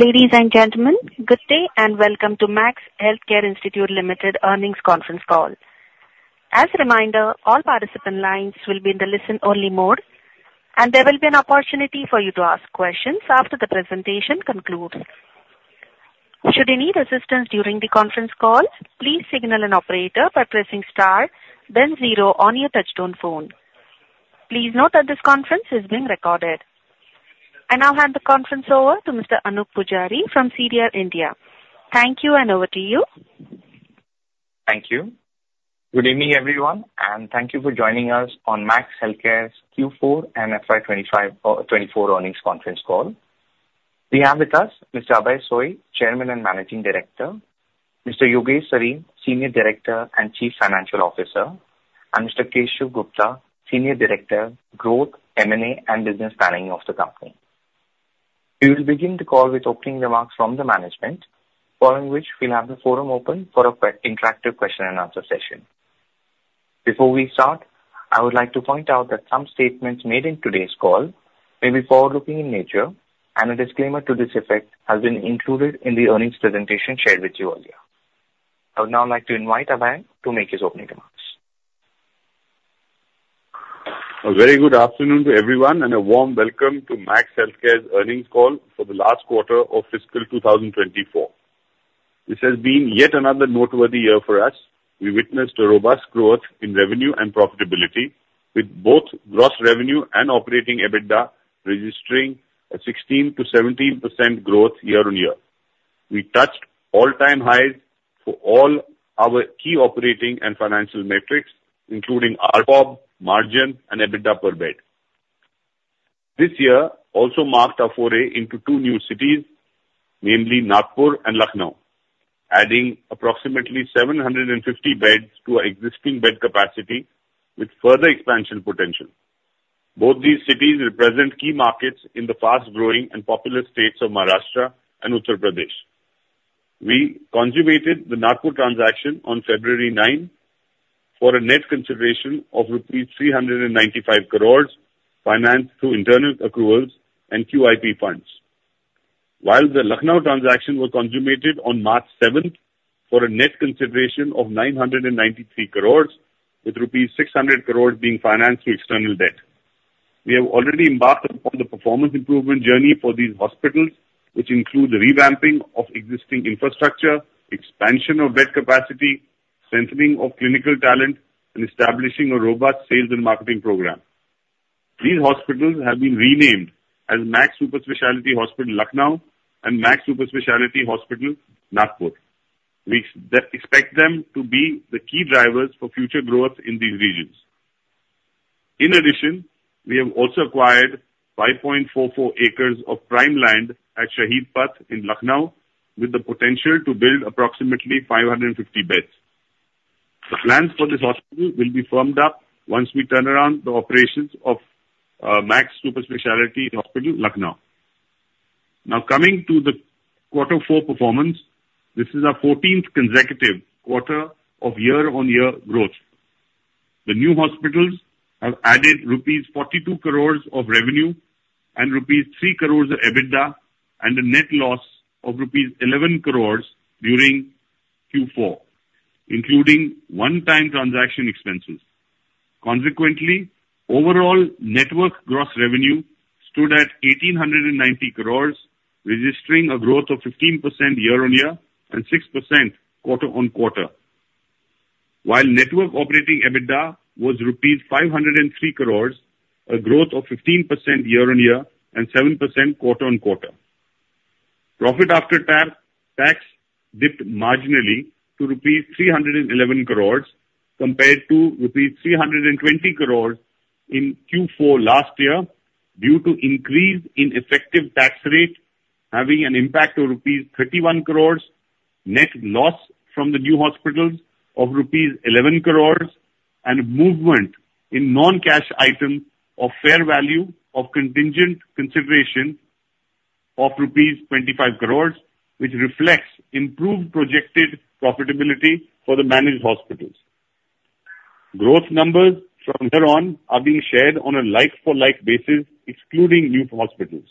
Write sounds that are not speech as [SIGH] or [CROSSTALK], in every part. Ladies and gentlemen, good day, and welcome to Max Healthcare Institute Limited Earnings Conference Call. As a reminder, all participant lines will be in the listen-only mode, and there will be an opportunity for you to ask questions after the presentation concludes. Should you need assistance during the conference call, please signal an operator by pressing Star then Zero on your touchtone phone. Please note that this conference is being recorded. I now hand the conference over to Mr. Anup Pujari from CDR India. Thank you, and over to you. Thank you. Good evening, everyone, and thank you for joining us on Max Healthcare's Q4 and FY 25, 24 earnings conference call. We have with us Mr. Abhay Soi, Chairman and Managing Director; Mr. Yogesh Sareen, Senior Director and Chief Financial Officer; and Mr. Keshav Gupta, Senior Director, Growth, M&A, and Business Planning of the company. We will begin the call with opening remarks from the management, following which we'll have the forum open for a interactive question and answer session. Before we start, I would like to point out that some statements made in today's call may be forward-looking in nature, and a disclaimer to this effect has been included in the earnings presentation shared with you earlier. I would now like to invite Abhay to make his opening remarks. A very good afternoon to everyone, and a warm welcome to Max Healthcare's earnings call for the last quarter of fiscal 2024. This has been yet another noteworthy year for us. We witnessed a robust growth in revenue and profitability, with both gross revenue and operating EBITDA registering a 16%-17% growth year-on-year. We touched all-time highs for all our key operating and financial metrics, including ARPOP, margin, and EBITDA per bed. This year also marked our foray into two new cities, namely Nagpur and Lucknow, adding approximately 750 beds to our existing bed capacity with further expansion potential. Both these cities represent key markets in the fast-growing and populous states of Maharashtra and Uttar Pradesh. We consummated the Nagpur transaction on February 9 for a net consideration of rupees 395 crores, financed through internal accruals and QIP funds. While the Lucknow transaction was consummated on March 7 for a net consideration of INR 993 crores, with INR 600 crores being financed through external debt. We have already embarked upon the performance improvement journey for these hospitals, which include the revamping of existing infrastructure, expansion of bed capacity, centering of clinical talent, and establishing a robust sales and marketing program. These hospitals have been renamed as Max Super Speciality Hospital, Lucknow, and Max Super Speciality Hospital, Nagpur. We expect them to be the key drivers for future growth in these regions. In addition, we have also acquired 5.44 acres of prime land at Shaheed Path in Lucknow, with the potential to build approximately 550 beds. The plans for this hospital will be firmed up once we turn around the operations of Max Super Speciality Hospital, Lucknow. Now, coming to the Quarter Four performance, this is our 14th consecutive quarter of year-on-year growth. The new hospitals have added rupees 42 crores of revenue and rupees 3 crores of EBITDA and a net loss of rupees 11 crores during Q4, including one-time transaction expenses. Consequently, overall network gross revenue stood at 1,890 crores, registering a growth of 15% year on year and 6% quarter on quarter. While network operating EBITDA was rupees 503 crores, a growth of 15% year on year and 7% quarter on quarter. Profit after tax, tax dipped marginally to rupees 311 crore compared to rupees 320 crore in Q4 last year due to increase in effective tax rate having an impact of rupees 31 crore, net loss from the new hospitals of rupees 11 crore, and movement in non-cash item of fair value of contingent consideration of rupees 25 crore, which reflects improved projected profitability for the managed hospitals. Growth numbers from here on are being shared on a like-for-like basis, excluding new hospitals.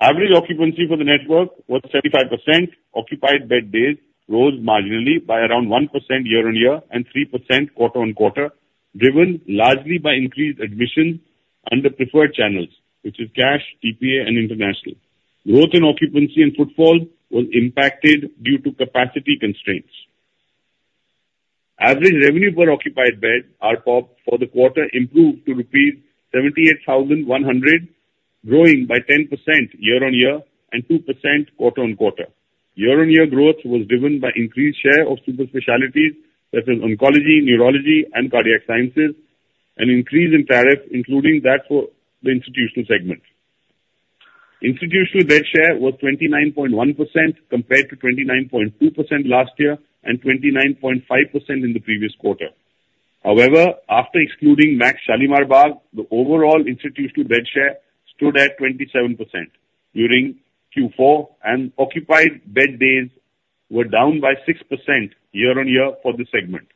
Average occupancy for the network was 75%. Occupied bed days rose marginally by around 1% year-on-year and 3% quarter-on-quarter, driven largely by increased admissions under preferred channels, which is cash, TPA, and international. Growth in occupancy and footfall was impacted due to capacity constraints. Average revenue per occupied bed, ARPOP, for the quarter improved to rupees 78,100, growing by 10% year-on-year and 2% quarter-on-quarter. Year-on-year growth was driven by increased share of super specialties, such as Oncology, Neurology, and Cardiac Sciences, an increase in tariff, including that for the institutional segment. Institutional bed share was 29.1%, compared to 29.2% last year and 29.5% in the previous quarter. However, after excluding Max Shalimar Bagh, the overall institutional bed share stood at 27% during Q4, and occupied bed days were down by 6% year-on-year for this segment.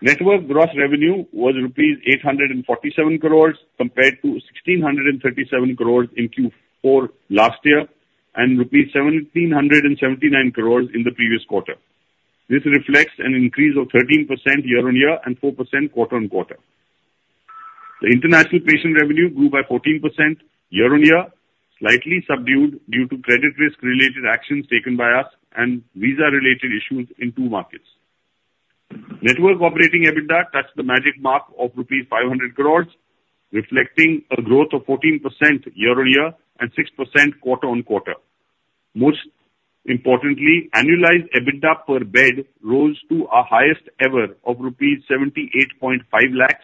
Network gross revenue was rupees 847 crores compared to 1,637 crores in Q4 last year, and rupees 1,779 crores in the previous quarter. This reflects an increase of 13% year-on-year and 4% quarter-on-quarter. The international patient revenue grew by 14% year-on-year, slightly subdued due to credit risk related actions taken by us and visa related issues in two markets. Network operating EBITDA touched the magic mark of rupees 500 crore, reflecting a growth of 14% year-on-year and 6% quarter-on-quarter. Most importantly, annualized EBITDA per bed rose to our highest ever of rupees 78.5 lakh,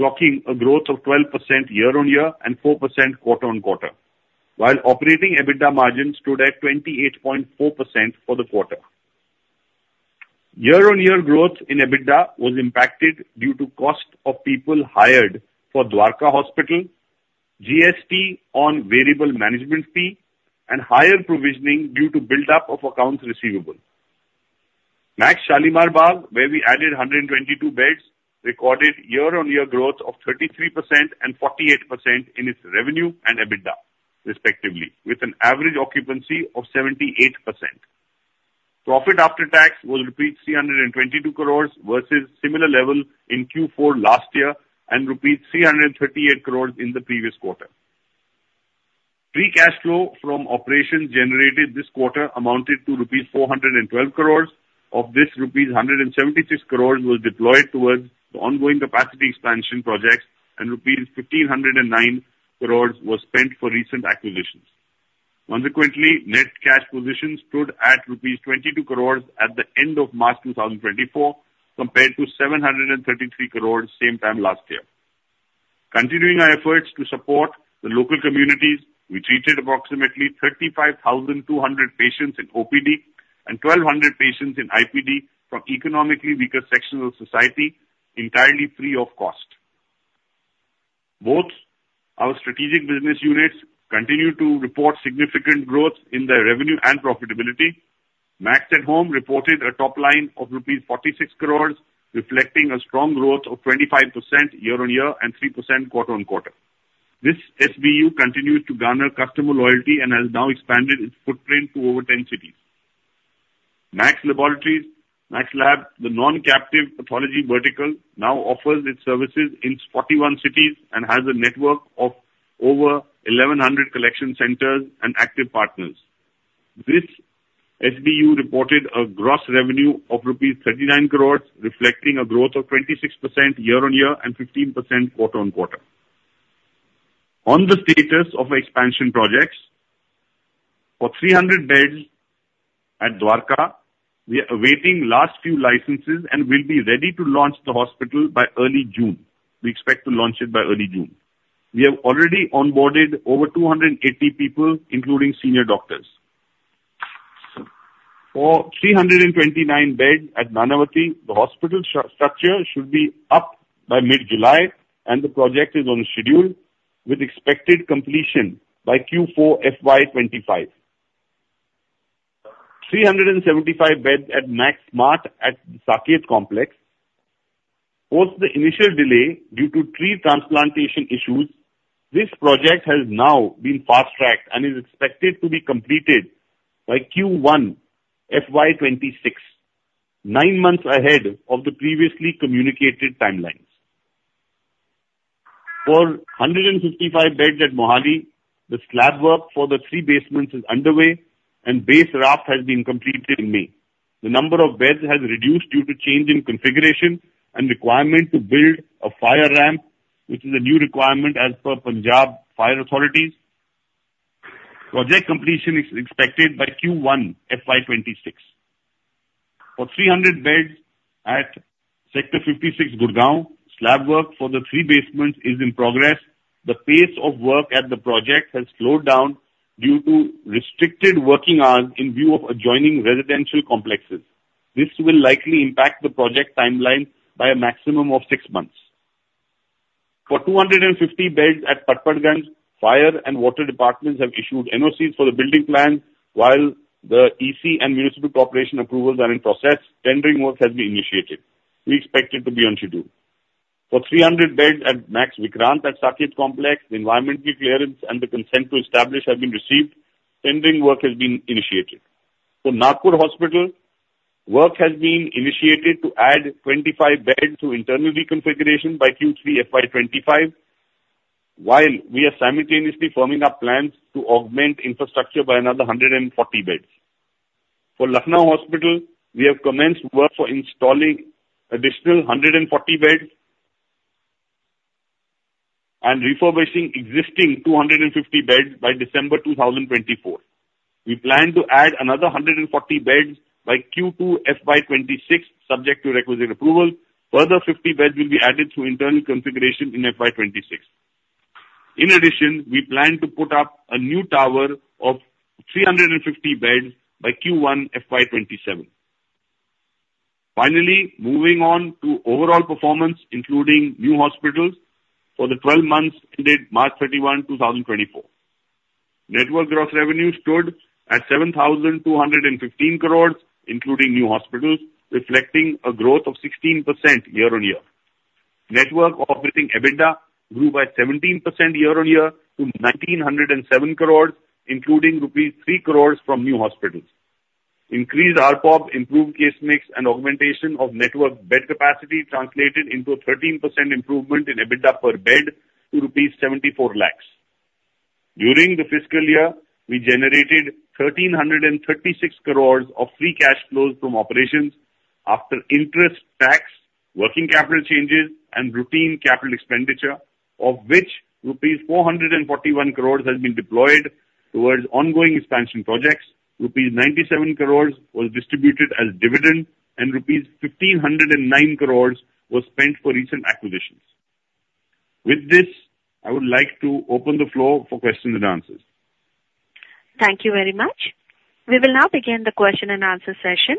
clocking a growth of 12% year-on-year and 4% quarter-on-quarter, while operating EBITDA margins stood at 28.4% for the quarter. Year-on-year growth in EBITDA was impacted due to cost of people hired for Dwarka Hospital, GST on variable management fee, and higher provisioning due to buildup of accounts receivable. Max Shalimar Bagh, where we added 122 beds, recorded year-on-year growth of 33% and 48% in its revenue and EBITDA, respectively, with an average occupancy of 78%. Profit after tax was rupees 322 crores versus similar level in Q4 last year, and rupees 338 crores in the previous quarter. Free cash flow from operations generated this quarter amounted to rupees 412 crores. Of this, rupees 176 crores was deployed towards the ongoing capacity expansion projects and rupees 1,509 crores was spent for recent acquisitions. Consequently, net cash position stood at rupees 22 crores at the end of March 2024, compared to 733 crores same time last year. Continuing our efforts to support the local communities, we treated approximately 35,200 patients in OPD and 1,200 patients in IPD from economically weaker sections of society, entirely free of cost. Both our strategic business units continue to report significant growth in their revenue and profitability. Max At Home reported a top line of rupees 46 crore, reflecting a strong growth of 25% year-on-year and 3% quarter-on-quarter. This SBU continues to garner customer loyalty and has now expanded its footprint to over 10 cities. Max Laboratories, Max Lab, the non-captive pathology vertical, now offers its services in 41 cities and has a network of over 1,100 collection centers and active partners. This SBU reported a gross revenue of rupees 39 crore, reflecting a growth of 26% year-on-year and 15% quarter-on-quarter. On the status of our expansion projects, for 300 beds at Dwarka, we are awaiting last few licenses and will be ready to launch the hospital by early June. We expect to launch it by early June. We have already onboarded over 280 people, including senior doctors. For 329 beds at Nanavati, the hospital structure should be up by mid-July, and the project is on schedule with expected completion by Q4 FY 2025. 375 beds at MAX Smart at Saket Complex, post the initial delay due to tree transplantation issues, this project has now been fast-tracked and is expected to be completed by Q1 FY 2026, 9 months ahead of the previously communicated timelines. For 155 beds at Mohali, the slab work for the 3 basements is underway and base raft has been completed in May. The number of beds has reduced due to change in configuration and requirement to build a fire ramp, which is a new requirement as per Punjab Fire Authorities. Project completion is expected by Q1 FY 2026. For 300 beds at Sector 56, Gurugram, slab work for the 3 basements is in progress. The pace of work at the project has slowed down due to restricted working hours in view of adjoining residential complexes. This will likely impact the project timeline by a maximum of 6 months. For 250 beds at Patparganj, fire and water departments have issued NOCs for the building plan. While the EC and municipal corporation approvals are in process, tendering work has been initiated. We expect it to be on schedule. For 300 beds at MAX Vikrant at Saket Complex, the environmental clearance and the consent to establish have been received. Tendering work has been initiated. For Nagpur Hospital, work has been initiated to add 25 beds through internal reconfiguration by Q3 FY 2025, while we are simultaneously firming up plans to augment infrastructure by another 140 beds. For Lucknow Hospital, we have commenced work for installing additional 140 beds and refurbishing existing 250 beds by December 2024. We plan to add another 140 beds by Q2 FY 2026, subject to requisite approval. Further 50 beds will be added through internal configuration in FY 2026. In addition, we plan to put up a new tower of 350 beds by Q1 FY 2027. Finally, moving on to overall performance, including new hospitals for the twelve months ended March 31, 2024. Network growth revenue stood at 7,215 crores, including new hospitals, reflecting a growth of 16% year-on-year. Network operating EBITDA grew by 17% year-on-year to 1,907 crores, including rupees 3 crores from new hospitals. Increased RPOP, improved case mix and augmentation of network bed capacity translated into a 13% improvement in EBITDA per bed to rupees 74 lakhs. During the fiscal year, we generated 1,336 crores of free cash flows from operations after interest tax, working capital changes, and routine capital expenditure, of which rupees 441 crores has been deployed towards ongoing expansion projects, rupees 97 crores was distributed as dividend, and rupees 1,509 crores was spent for recent acquisitions. With this, I would like to open the floor for questions and answers. Thank you very much. We will now begin the question and answer session.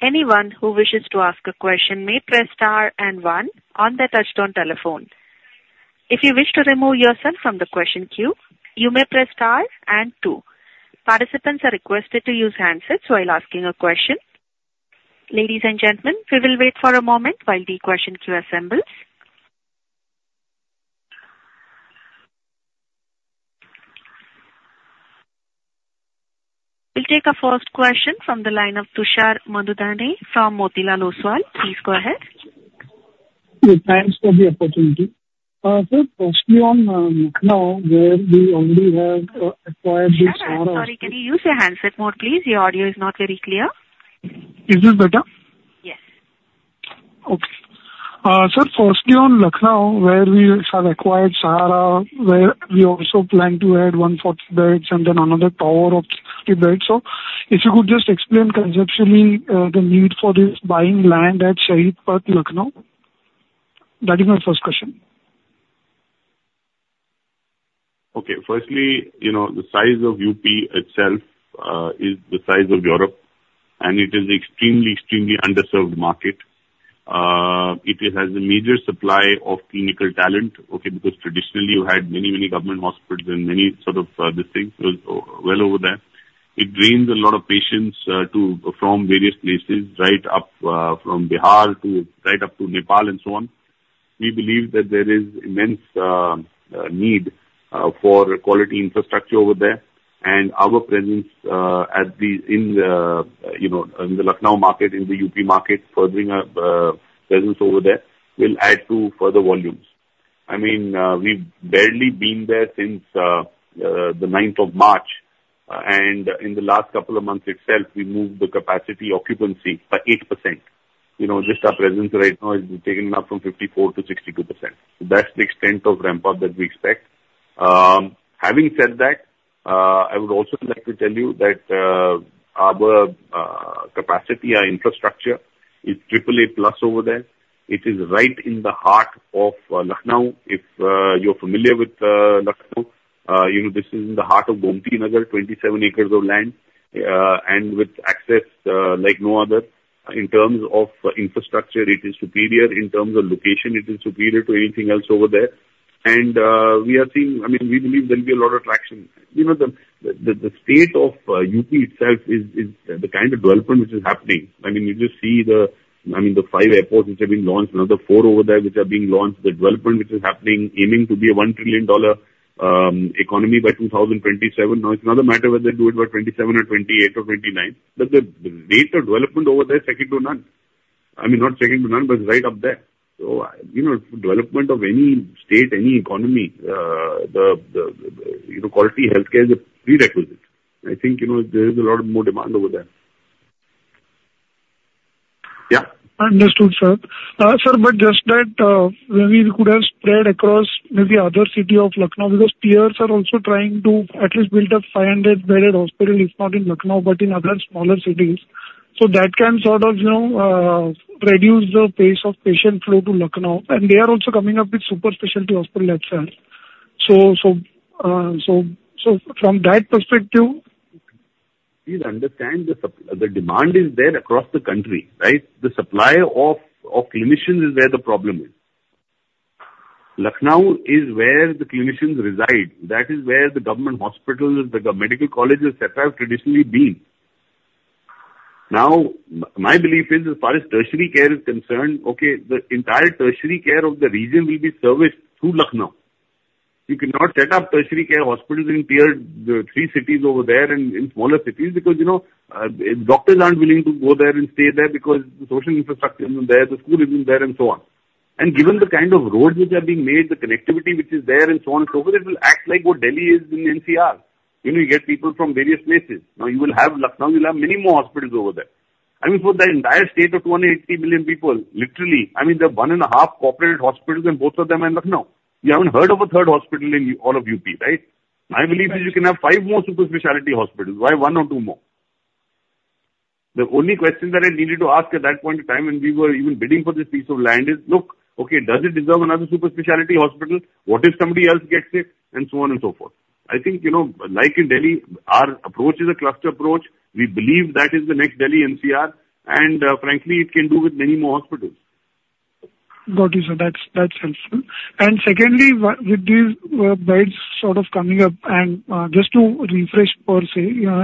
Anyone who wishes to ask a question may press star and one on their touchtone telephone. If you wish to remove yourself from the question queue, you may press star and two. Participants are requested to use handsets while asking a question. Ladies and gentlemen, we will wait for a moment while the question queue assembles. We'll take our first question from the line of Tushar Manudhane from Motilal Oswal. Please go ahead. Yeah, thanks for the opportunity. Sir, firstly on Lucknow, where we already have acquired this- Sorry, can you use your handset more, please? Your audio is not very clear. Is this better? Yes. Okay. Sir, firstly on Lucknow, where we have acquired Sahara, where we also plan to add 140 beds and then another tower of 60 beds. So if you could just explain conceptually, the need for this buying land at Shaheed Path, Lucknow. That is my first question. Okay. Firstly, you know, the size of UP itself is the size of Europe, and it is extremely, extremely underserved market. It has a major supply of clinical talent, okay, because traditionally you had many, many government hospitals and many sort of distinct things well over there. It drains a lot of patients from various places right up from Bihar to right up to Nepal and so on. We believe that there is immense need for quality infrastructure over there, and our presence in you know, in the Lucknow market, in the UP market, furthering our presence over there, will add to further volumes. I mean, we've barely been there since the ninth of March, and in the last couple of months itself, we moved the capacity occupancy by 8%. You know, just our presence right now has been taken up from 54%-62%. That's the extent of ramp-up that we expect. Having said that, I would also like to tell you that our capacity and infrastructure is triple A plus over there. It is right in the heart of Lucknow. If you're familiar with Lucknow, you know, this is in the heart of Gomti Nagar, 27 acres of land, and with access like no other. In terms of infrastructure, it is superior. In terms of location, it is superior to anything else over there. And we are seeing... I mean, we believe there will be a lot of traction. You know, the state of UP itself is the kind of development which is happening. I mean, you just see the, I mean, the 5 airports which have been launched, another 4 over there which are being launched, the development which is happening, aiming to be a $1 trillion, economy by 2027. Now, it's another matter whether they do it by 2027 or 2028 or 2029, but the rate of development over there is second to none. I mean, not second to none, but it's right up there. So, you know, development of any state, any economy, you know, quality healthcare is a prerequisite. I think, you know, there is a lot more demand over there. Yeah. Understood, sir. Sir, but just that, maybe we could have spread across maybe other city of Lucknow, because peers are also trying to at least build a 500-bedded hospital, if not in Lucknow, but in other smaller cities. So that can sort of, you know, reduce the pace of patient flow to Lucknow, and they are also coming up with super specialty hospital itself. So, so, from that perspective? Please understand the demand is there across the country, right? The supply of clinicians is where the problem is. Lucknow is where the clinicians reside. That is where the government hospitals, the medical colleges etc., have traditionally been. Now, my belief is as far as tertiary care is concerned, okay, the entire tertiary care of the region will be serviced through Lucknow. You cannot set up tertiary care hospitals in tier three cities over there and in smaller cities because, you know, doctors aren't willing to go there and stay there because the social infrastructure isn't there, the school isn't there, and so on. And given the kind of roads which are being made, the connectivity which is there, and so on and so forth, it will act like what Delhi is in NCR. You know, you get people from various places. Now you will have Lucknow, you will have many more hospitals over there. I mean, for the entire state of 280 million people, literally, I mean, there are 1.5 corporate hospitals, and both of them are in Lucknow. You haven't heard of a third hospital in all of UP, right? My belief is you can have 5 more super specialty hospitals. Why 1 or 2 more? The only question that I needed to ask at that point in time when we were even bidding for this piece of land is: Look, okay, does it deserve another super specialty hospital? What if somebody else gets it? And so on and so forth. I think, you know, like in Delhi, our approach is a cluster approach. We believe that is the next Delhi NCR, and, frankly, it can do with many more hospitals.... Got you, sir. That's, that's helpful. And secondly, with these beds sort of coming up and just to refresh per se,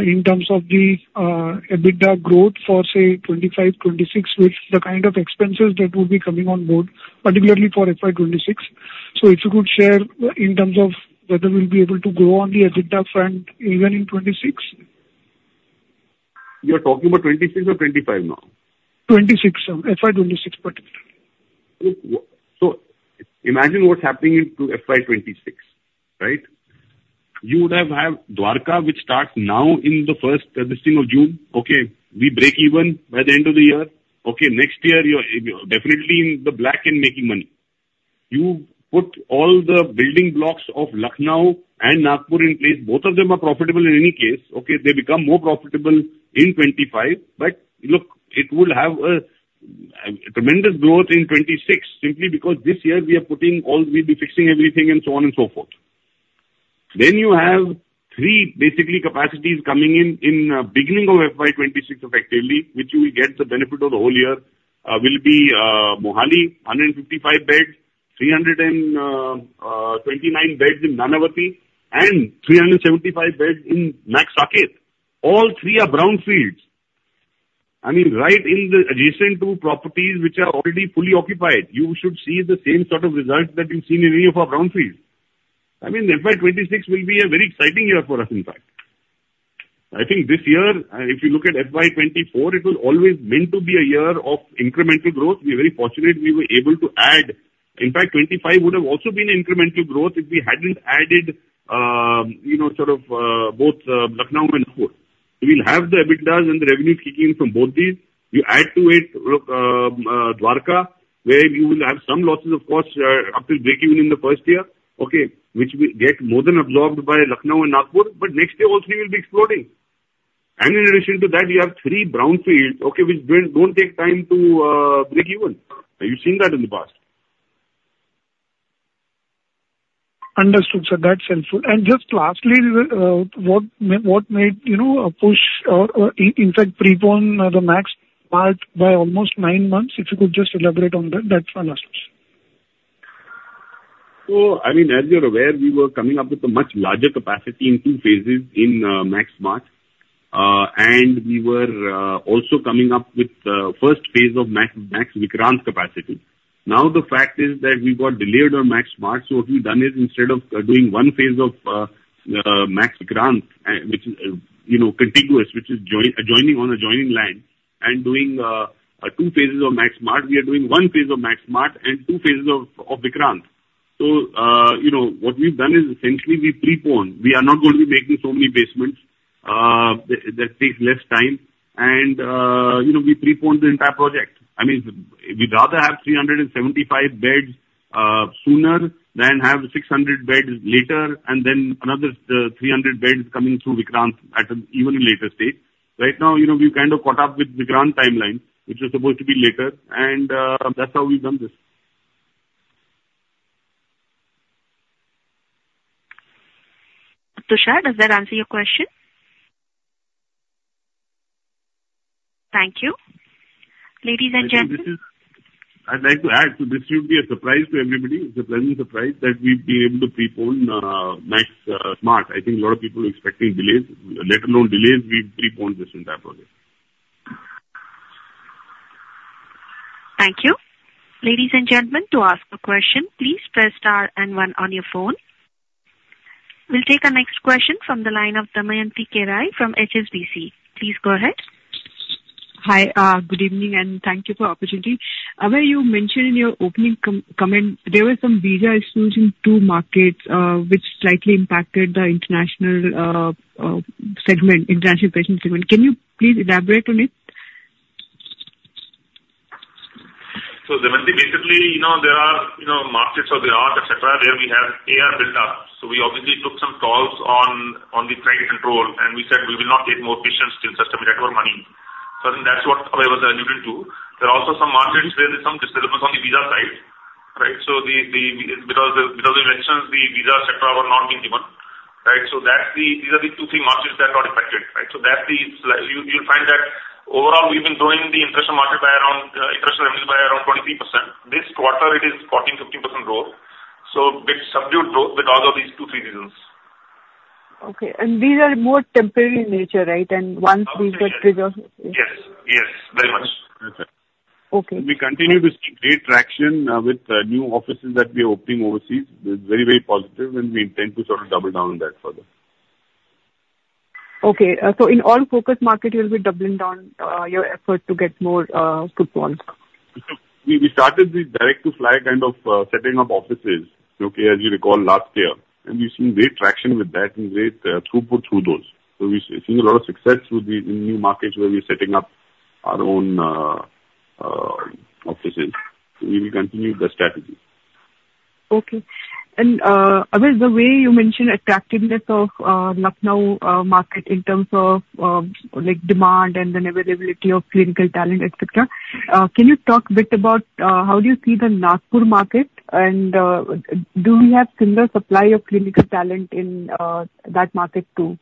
in terms of the EBITDA growth for, say, 2025, 2026, with the kind of expenses that would be coming on board, particularly for FY 2026. So if you could share, in terms of whether we'll be able to grow on the EBITDA front even in 2026? You are talking about 26 or 25 now? 26, sir. FY 2026, particularly. Look, so imagine what's happening to FY 2026, right? You would have had Dwarka, which starts now in the first of June, okay. Okay, next year, you are definitely in the black and making money. You put all the building blocks of Lucknow and Nagpur in place. Both of them are profitable in any case. Okay, they become more profitable in 2025, but look, it will have a tremendous growth in 2026, simply because this year we are putting all... We'll be fixing everything and so on and so forth. Then you have three basic capacities coming in, in beginning of FY 2026 effectively, which we will get the benefit of the whole year, will be Mohali, 155 beds, 329 beds in Nanavati, and 375 beds in Max Saket. All three are brownfields. I mean, right in the adjacent two properties which are already fully occupied. You should see the same sort of results that we've seen in any of our brownfields. I mean, FY 2026 will be a very exciting year for us, in fact. I think this year, if you look at FY 2024, it was always meant to be a year of incremental growth. We're very fortunate we were able to add... In fact, 25 would have also been incremental growth if we hadn't added, you know, sort of, both, Lucknow and Nagpur. We'll have the EBITDA and the revenue kicking from both these. You add to it, Dwarka, where you will have some losses, of course, up till break even in the first year, okay, which will get more than absorbed by Lucknow and Nagpur, but next year also we will be exploding. In addition to that, we have three brownfields, okay, which don't take time to break even. Have you seen that in the past? Understood, sir. That's helpful. Just lastly, what made, you know, a push or in fact prepone the Max Smart by almost 9 months? If you could just elaborate on that. That's one last question. So, I mean, as you're aware, we were coming up with a much larger capacity in two phases in Max Smart. And we were also coming up with the first phase of Max, Max Vikrant's capacity. Now, the fact is that we got delayed on Max Smart, so what we've done is instead of doing one phase of Max Vikrant, which is, you know, contiguous, which is joining adjoining land, and doing two phases of Max Smart, we are doing one phase of Max Smart and two phases of Vikrant. So, you know, what we've done is essentially we prepone. We are not going to be making so many basements, that takes less time. And, you know, we prepone the entire project. I mean, we'd rather have 375 beds sooner than have 600 beds later, and then another 300 beds coming through Vikrant at an even later stage. Right now, you know, we've kind of caught up with Vikrant timeline, which was supposed to be later, and that's how we've done this. Tushar, does that answer your question? Thank you. Ladies and gentlemen- I think this is... I'd like to add, so this should be a surprise to everybody. It's a pleasant surprise that we've been able to prepone Max Smart. I think a lot of people are expecting delays. Let alone delays, we've prepone this entire project. Thank you. Ladies and gentlemen, to ask a question, please press star and one on your phone. We'll take our next question from the line of Damayanti Kerai from HSBC. Please go ahead. Hi, good evening, and thank you for the opportunity. Abhay, you mentioned in your opening comment there were some visa issues in two markets, which slightly impacted the international segment, international patient segment. Can you please elaborate on it? So Damayanti, basically, you know, there are, you know, markets where there are, et cetera, where we have AR built up. So we obviously took some calls on, on the trade control, and we said we will not take more patients till such time we get our money. So I think that's what Abhay was alluding to. There are also some markets where there's some developments on the visa side, right? So the, because of elections, the visa, et cetera, were not being given, right. So that's the... These are the two, three markets that got impacted, right. So that's the You'll find that overall, we've been growing the international market by around international markets by around 23%. This quarter, it is 14%-15% growth. So bit subdued growth because of these two, three reasons. Okay. And these are more temporary in nature, right? And once we get rid of- Yes. Yes, very much. Okay. We continue to see great traction with new offices that we are opening overseas. They're very, very positive, and we intend to sort of double down on that further. Okay. So in all focus markets, you'll be doubling down your effort to get more footfall? We started the direct-to-fly kind of setting up offices, okay, as you recall, last year, and we've seen great traction with that and great throughput through those. So we've seen a lot of success with the new markets where we're setting up our own offices. We will continue the strategy. Okay. And, Abhay, the way you mentioned attractiveness of, Lucknow, market in terms of, like, demand and then availability of clinical talent, et cetera, can you talk a bit about, how do you see the Nagpur market? And, do we have similar supply of clinical talent in, that market, too?...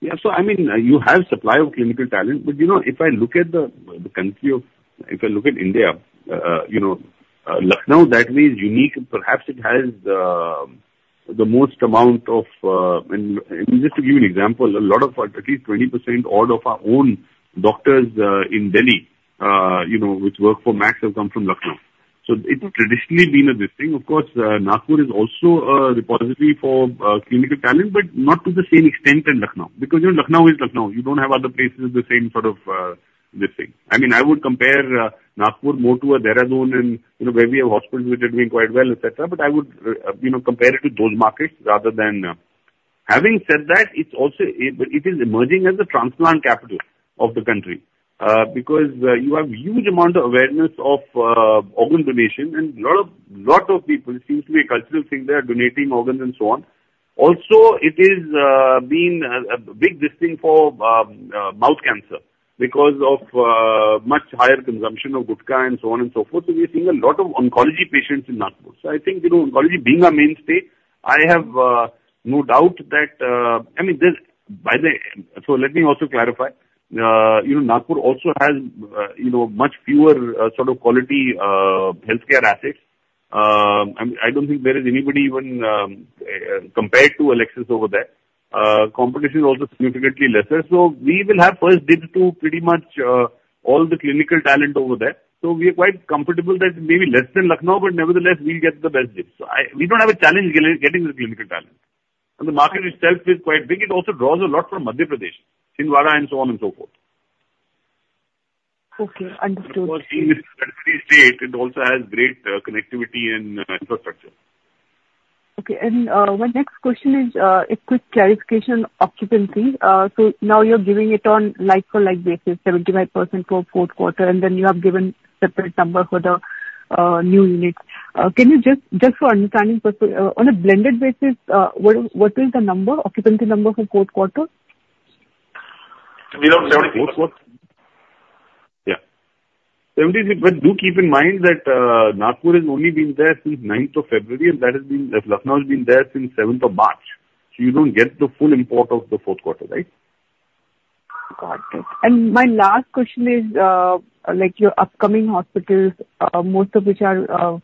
Yeah, so I mean, you have supply of clinical talent, but, you know, if I look at the country of India, you know, Lucknow that way is unique, and perhaps it has the most amount of... And just to give you an example, a lot of our, at least 20% all of our own doctors in Delhi, you know, which work for Max, have come from Lucknow. So it's traditionally been a good thing. Of course, Nagpur is also a repository for clinical talent, but not to the same extent in Lucknow. Because, you know, Lucknow is Lucknow. You don't have other places with the same sort of this thing. I mean, I would compare Nagpur more to a Dehradun and, you know, where we have hospitals which are doing quite well, et cetera, but I would, you know, compare it to those markets rather than... Having said that, it's also emerging as the transplant capital of the country, because you have huge amount of awareness of organ donation, and lot of, lot of people, it seems to be a cultural thing there, are donating organs and so on. Also, it is been a big destination for mouth cancer because of much higher consumption of gutkha and so on and so forth. So we are seeing a lot of oncology patients in Nagpur. So I think, you know, oncology being our main state, I have no doubt that, I mean, there's, by the way. So let me also clarify. You know, Nagpur also has, you know, much fewer, sort of quality, healthcare assets. I don't think there is anybody even compared to Alexis over there. Competition is also significantly lesser. So we will have first dibs to pretty much all the clinical talent over there. So we are quite comfortable that maybe less than Lucknow, but nevertheless we'll get the best dibs. We don't have a challenge getting the clinical talent. And the market itself is quite big. It also draws a lot from Madhya Pradesh, Chhindwara, and so on and so forth. Okay, understood. Of course, being a country state, it also has great connectivity and infrastructure. Okay. And, my next question is, a quick clarification on occupancy. So now you're giving it on like for like basis, 75% for fourth quarter, and then you have given separate number for the, new units. Can you just, just for understanding purpose, on a blended basis, what is, what is the number, occupancy number for fourth quarter? Around 74. Yeah. [CROSSTALK] 73, but do keep in mind that, Nagpur has only been there since ninth of February, and Lucknow has been there since seventh of March. So you don't get the full import of the fourth quarter, right? Got it. And my last question is, like your upcoming hospitals, most of which are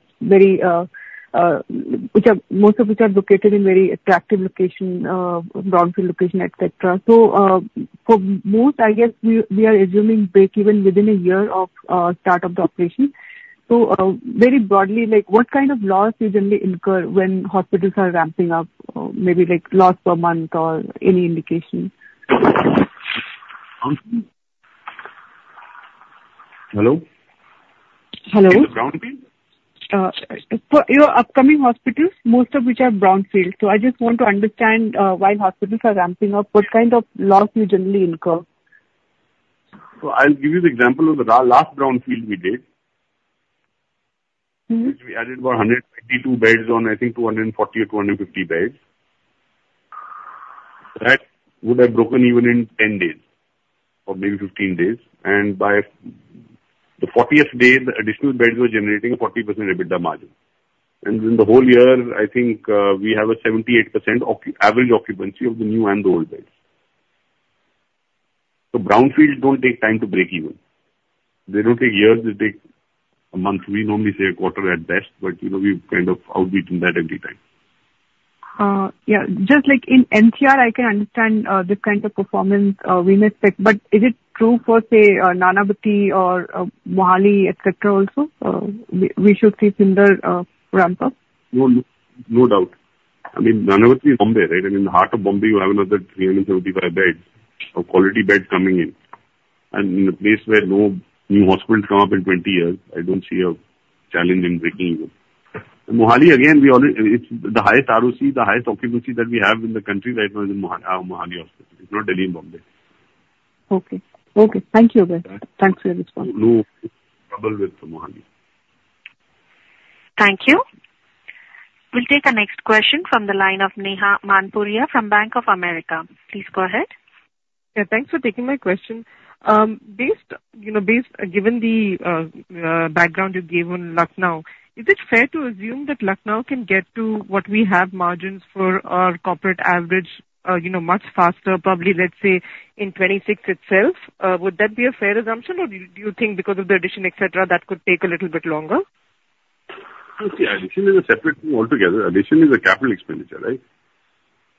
located in very attractive location, brownfield location, et cetera. So, for most, I guess, we are assuming breakeven within a year of start of the operation. So, very broadly, like, what kind of loss you generally incur when hospitals are ramping up? Maybe like loss per month or any indication. Hello? Hello. In the Brownfield? For your upcoming hospitals, most of which are brownfields. So I just want to understand, while hospitals are ramping up, what kind of loss you generally incur? So I'll give you the example of the last brownfield we did. Which we added about 122 beds on, I think, 240 or 250 beds. That would have broken even in 10 days or maybe 15 days, and by the 40th day, the additional beds were generating a 40% EBITDA margin. And in the whole year, I think, we have a 78% average occupancy of the new and the old beds. So brownfields don't take time to break even. They don't take years, they take a month. We normally say a quarter at best, but, you know, we kind of outbeat that every time. Yeah. Just like in NCR, I can understand this kind of performance we may expect, but is it true for, say, Nanavati or Mohali, et cetera, also? We should see similar ramp up? No, no doubt. I mean, Nanavati is Bombay, right? I mean, in the heart of Bombay, you have another 375 beds, of quality beds coming in. And in a place where no new hospitals come up in 20 years, I don't see a challenge in breaking even. Mohali, again, we already. It's the highest ROC, the highest occupancy that we have in the country right now is in Mohali Hospital. It's not Delhi and Bombay. Okay. Okay, thank you again. Thanks. Thanks for your response. No problem with the Mohali. Thank you. We'll take the next question from the line of Neha Manpuria from Bank of America. Please go ahead. Yeah, thanks for taking my question. Based, you know—given the background you gave on Lucknow, is it fair to assume that Lucknow can get to what we have margins for our corporate average, you know, much faster, probably, let's say, in 2026 itself? Would that be a fair assumption, or do you think because of the addition, et cetera, that could take a little bit longer? No, see, addition is a separate thing altogether. Addition is a capital expenditure, right?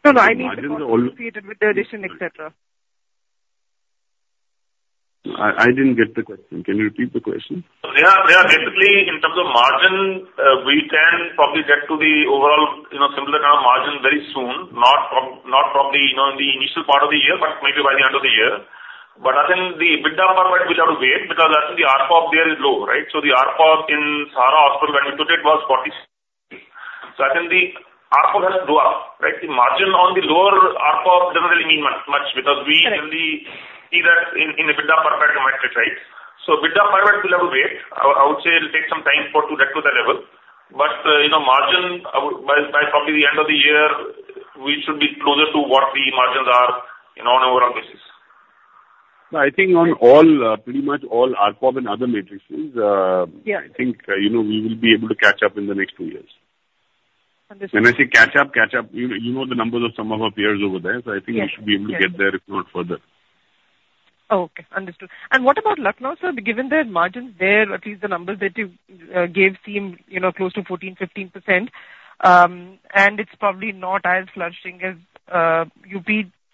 No, no, I mean- Margin is al-... [CROSSTALK] with the addition, et cetera. I didn't get the question. Can you repeat the question? Yeah, yeah. Basically, in terms of margin, we can probably get to the overall, you know, similar kind of margin very soon. Not probably, you know, in the initial part of the year, but maybe by the end of the year. But I think the EBITDA margin will have to wait because I think the RPOP there is low, right? So the RPOP in Sahara Hospital, when we put it, was 40. So I think the RPOP has to go up, right? The margin on the lower RPOP doesn't really mean much because we- Right. Usually see that in EBITDA perfect metric, right? So EBITDA perfect will have to wait. I would say it'll take some time for it to get to that level. But, you know, margin, I would, by probably the end of the year, we should be closer to what the margins are, you know, on our-... No, I think on all, pretty much all ARPOB and other metrics, Yeah. I think, you know, we will be able to catch up in the next two years. Understood. When I say catch up, catch up, you, you know the numbers of some of our peers over there. Yes. I think we should be able to get there, if not further. Okay, understood. What about Lucknow, sir? Given their margins there, at least the numbers that you gave seem, you know, close to 14, 15%. It's probably not as flourishing as UP.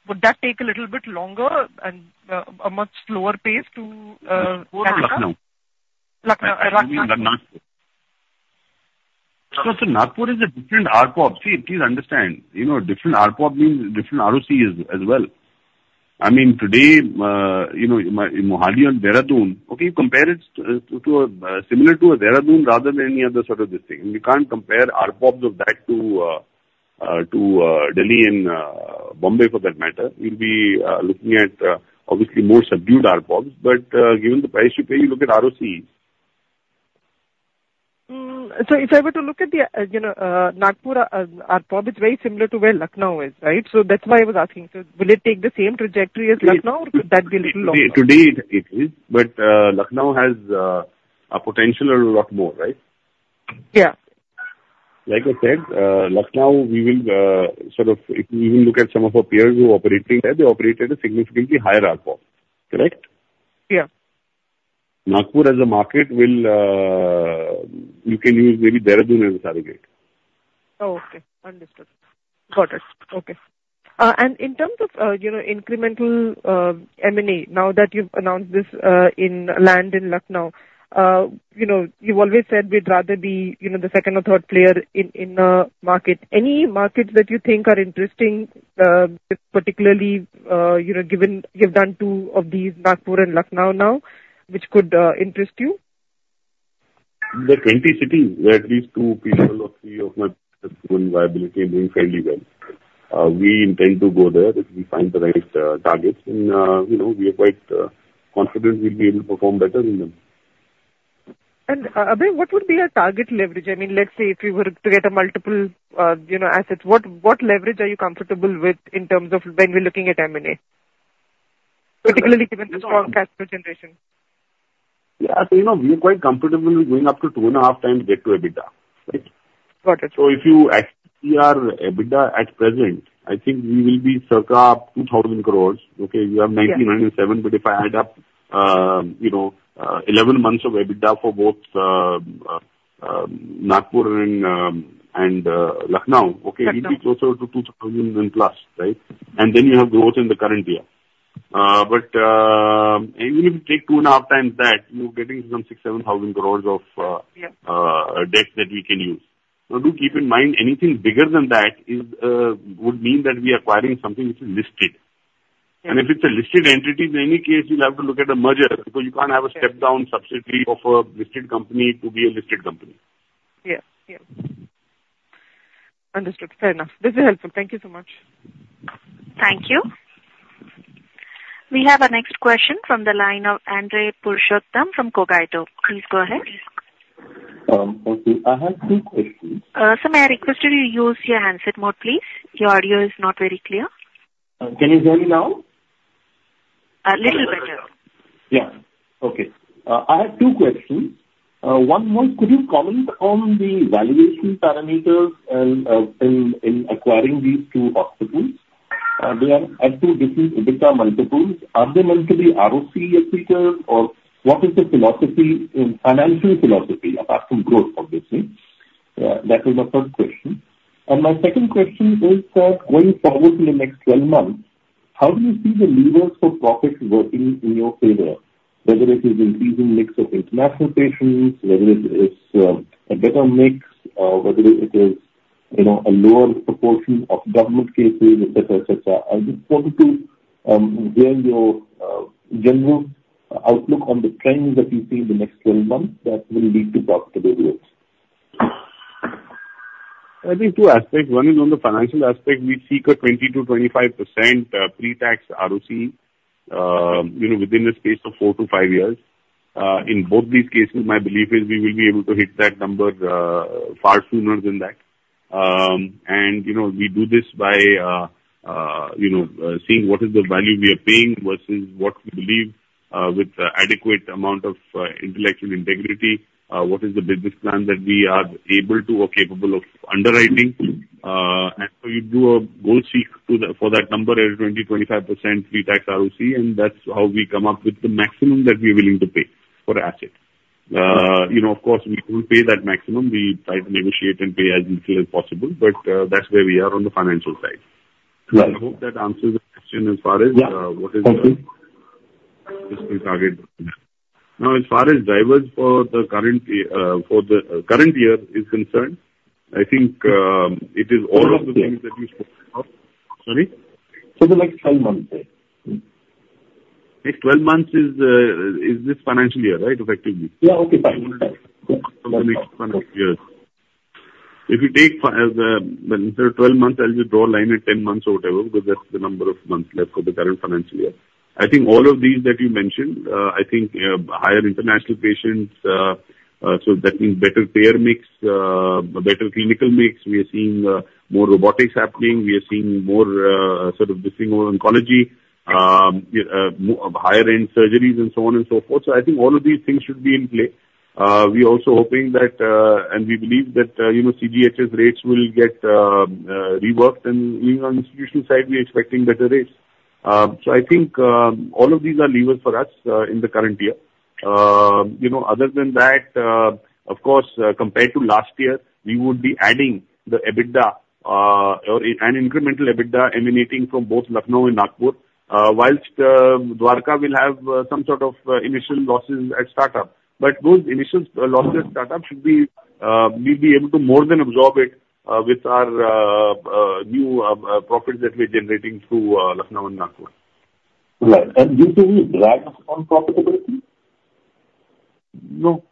Would that take a little bit longer and a much slower pace to catch up? Nagpur or Lucknow? Lucknow. Lucknow. Nagpur is a different ARPOB. See, please understand, you know, different ARPOB means different ROCE as, as well. I mean, today, you know, Mohali and Dehradun, okay, you compare it to, to a, similar to a Dehradun rather than any other sort of this thing. We can't compare ARPOBs of that to, to, to, Delhi and, Bombay, for that matter. We'll be, looking at, obviously more subdued ARPOBs, but, given the price you pay, you look at ROCEs. Hmm. So if I were to look at the, you know, Nagpur, ARPOB, it's very similar to where Lucknow is, right? So that's why I was asking. So will it take the same trajectory as Lucknow, or could that be longer? Today it is, but, Lucknow has, a potential lot more, right? Yeah. Like I said, Lucknow, we will sort of if we even look at some of our peers who are operating there, they operate at a significantly higher ARPOB. Correct? Yeah. Nagpur as a market will, you can use maybe Dehradun as a target. Oh, okay. Understood. Got it. Okay. In terms of, you know, incremental M&A, now that you've announced this in Lucknow, you know, you've always said we'd rather be, you know, the second or third player in a market. Any markets that you think are interesting, particularly, you know, given you've done two of these, Nagpur and Lucknow now, which could interest you? The 20 cities, where at least two people or three of my viability are doing fairly well. We intend to go there if we find the right, targets, and, you know, we are quite, confident we'll be able to perform better in them. Abhay, what would be our target leverage? I mean, let's say if we were to get a multiple, you know, assets, what leverage are you comfortable with in terms of when we're looking at M&A, particularly given the strong cash flow generation? Yeah. So, you know, we are quite comfortable with going up to 2.5x debt to EBITDA, right? Got it. If you ask me, our EBITDA at present, I think we will be circa 2,000 crore. Okay? Yeah. We have 99.7, but if I add up, you know, 11 months of EBITDA for both, Nagpur and Lucknow- Lucknow. Okay, we'll be closer to 2,000+ crore, right? And then you have growth in the current year. But even if you take 2.5 times that, you're getting some 6,000-7,000 crore of, Yeah... debt that we can use. Now, do keep in mind, anything bigger than that is, would mean that we are acquiring something which is listed. Yeah. If it's a listed entity, in any case, you'll have to look at a merger, because you can't have a step down subsidiary of a listed company to be a listed company. Yeah. Yeah. Understood. Fair enough. This is helpful. Thank you so much. Thank you. We have our next question from the line of Andrey Purushottam from Cogito. Please go ahead. Okay, I have two questions. Sir, may I request that you use your handset mode, please? Your audio is not very clear. Can you hear me now? A little better. Yeah. Okay. I have two questions. One more, could you comment on the valuation parameters in acquiring these two hospitals? They are actually different EBITDA multiples. Are they meant to be ROC seekers or what is the philosophy in financial philosophy, apart from growth, obviously? That was my first question. And my second question is, going forward in the next 12 months, how do you see the levers for profit working in your favor? Whether it is increasing mix of international patients, whether it is a better mix, or whether it is, you know, a lower proportion of government cases, et cetera, et cetera. I would want to hear your general outlook on the trends that you see in the next 12 months that will lead to profitability. I think two aspects. One is on the financial aspect, we seek a 20%-25% pre-tax ROC, you know, within the space of 4-5 years. In both these cases, my belief is we will be able to hit that number far sooner than that. And, you know, we do this by seeing what is the value we are paying versus what we believe with adequate amount of intellectual integrity what is the business plan that we are able to or capable of underwriting. And so we do a goal seek for that number at 20%-25% pre-tax ROC, and that's how we come up with the maximum that we're willing to pay for asset. You know, of course, we won't pay that maximum. We try to negotiate and pay as little as possible, but that's where we are on the financial side. Right. I hope that answers the question as far as- Yeah. What is the target? Now, as far as drivers for the current year, for the current year is concerned, I think, it is all of the things that you spoke about. Sorry? For the next 12 months. Next 12 months is this financial year, right, effectively? Yeah. Okay, fine. Next financial year. If you take, well, instead of 12 months, I'll just draw a line at 10 months or whatever, because that's the number of months left for the current financial year. I think all of these that you mentioned, I think, higher international patients, so that means better payer mix, better clinical mix. We are seeing more robotics happening. We are seeing more, sort of the thing, more oncology, higher-end surgeries, and so on and so forth. So I think all of these things should be in play. We're also hoping that, and we believe that, you know, CGHS rates will get reworked, and even on institution side, we're expecting better rates. So I think all of these are levers for us in the current year. You know, other than that, of course, compared to last year, we would be adding the EBITDA, or an incremental EBITDA emanating from both Lucknow and Nagpur. While Dwarka will have some sort of initial losses at startup. But those initial losses at startup should be. We'll be able to more than absorb it with our new profits that we're generating through Lucknow and Nagpur. Right. This will be drag on profitability? No.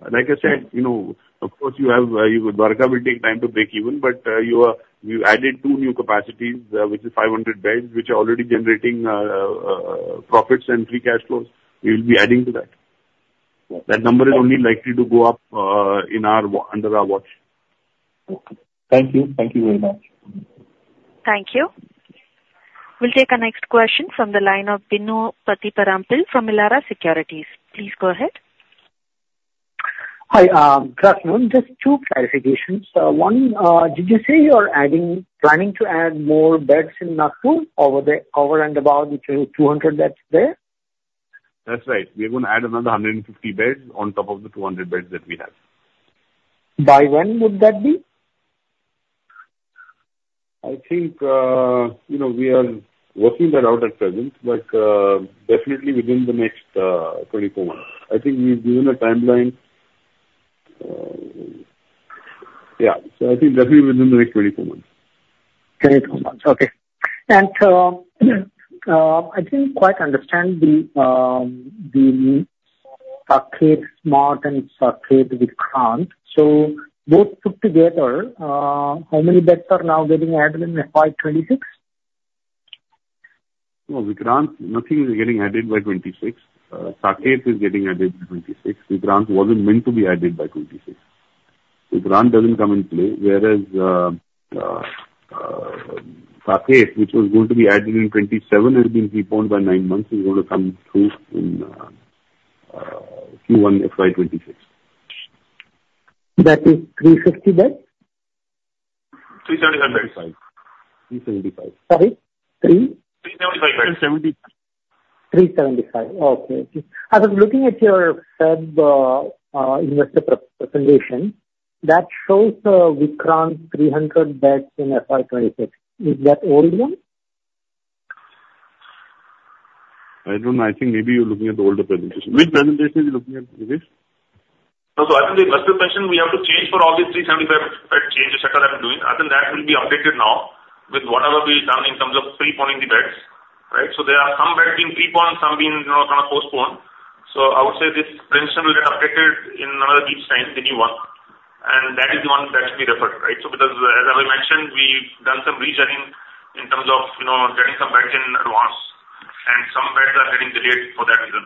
Like I said, you know, of course you have your Dwarka will take time to break even, but you added two new capacities, which is 500 beds, which are already generating profits and free cash flows. We will be adding to that. Okay. That number is only likely to go up, in our under our watch. Okay. Thank you. Thank you very much. Thank you. We'll take our next question from the line of Binu Pathuparampil from Elara Securities. Please go ahead. Hi, good afternoon. Just two clarifications. One, did you say you are adding... planning to add more beds in Nagpur over and above the 200 beds there? That's right. We're gonna add another 150 beds on top of the 200 beds that we have. By when would that be? I think, you know, we are working that out at present, but, definitely within the next 24 months. I think we've given a timeline. Yeah, so I think definitely within the next 24 months. 24 months. Okay. And, I didn't quite understand the Saket Smart and Saket Vikrant. So those put together, how many beds are now getting added in FY 2026? No, Vikrant, nothing is getting added by 2026. Saket is getting added by 2026. Vikrant wasn't meant to be added by 2026. Vikrant doesn't come into play, whereas Saket, which was going to be added in 2027, has been preponed by 9 months, is gonna come through in Q1 FY 2026. That is 360 beds? 375 beds. Three seventy-five. Sorry, three? Three seventy-five. Three seventy-five. 375. Okay. I was looking at your February investor presentation. That shows Vikrant 300 beds in FY 2026. Is that old one? I don't know. I think maybe you're looking at the older presentation. Which presentation are you looking at, Rakesh? So as the investor presentation, we have to change for all the 375 bed changes that are happening. Other than that, will be updated now with whatever we've done in terms of preponing the beds, right? So there are some beds being preponed, some being, you know, kind of postponed. So I would say this presentation will get updated in another 8 times, the new one, and that is the one that should be referred, right? So because as I mentioned, we've done some rethinking in terms of, you know, getting some beds in advance, and some beds are getting delayed for that reason.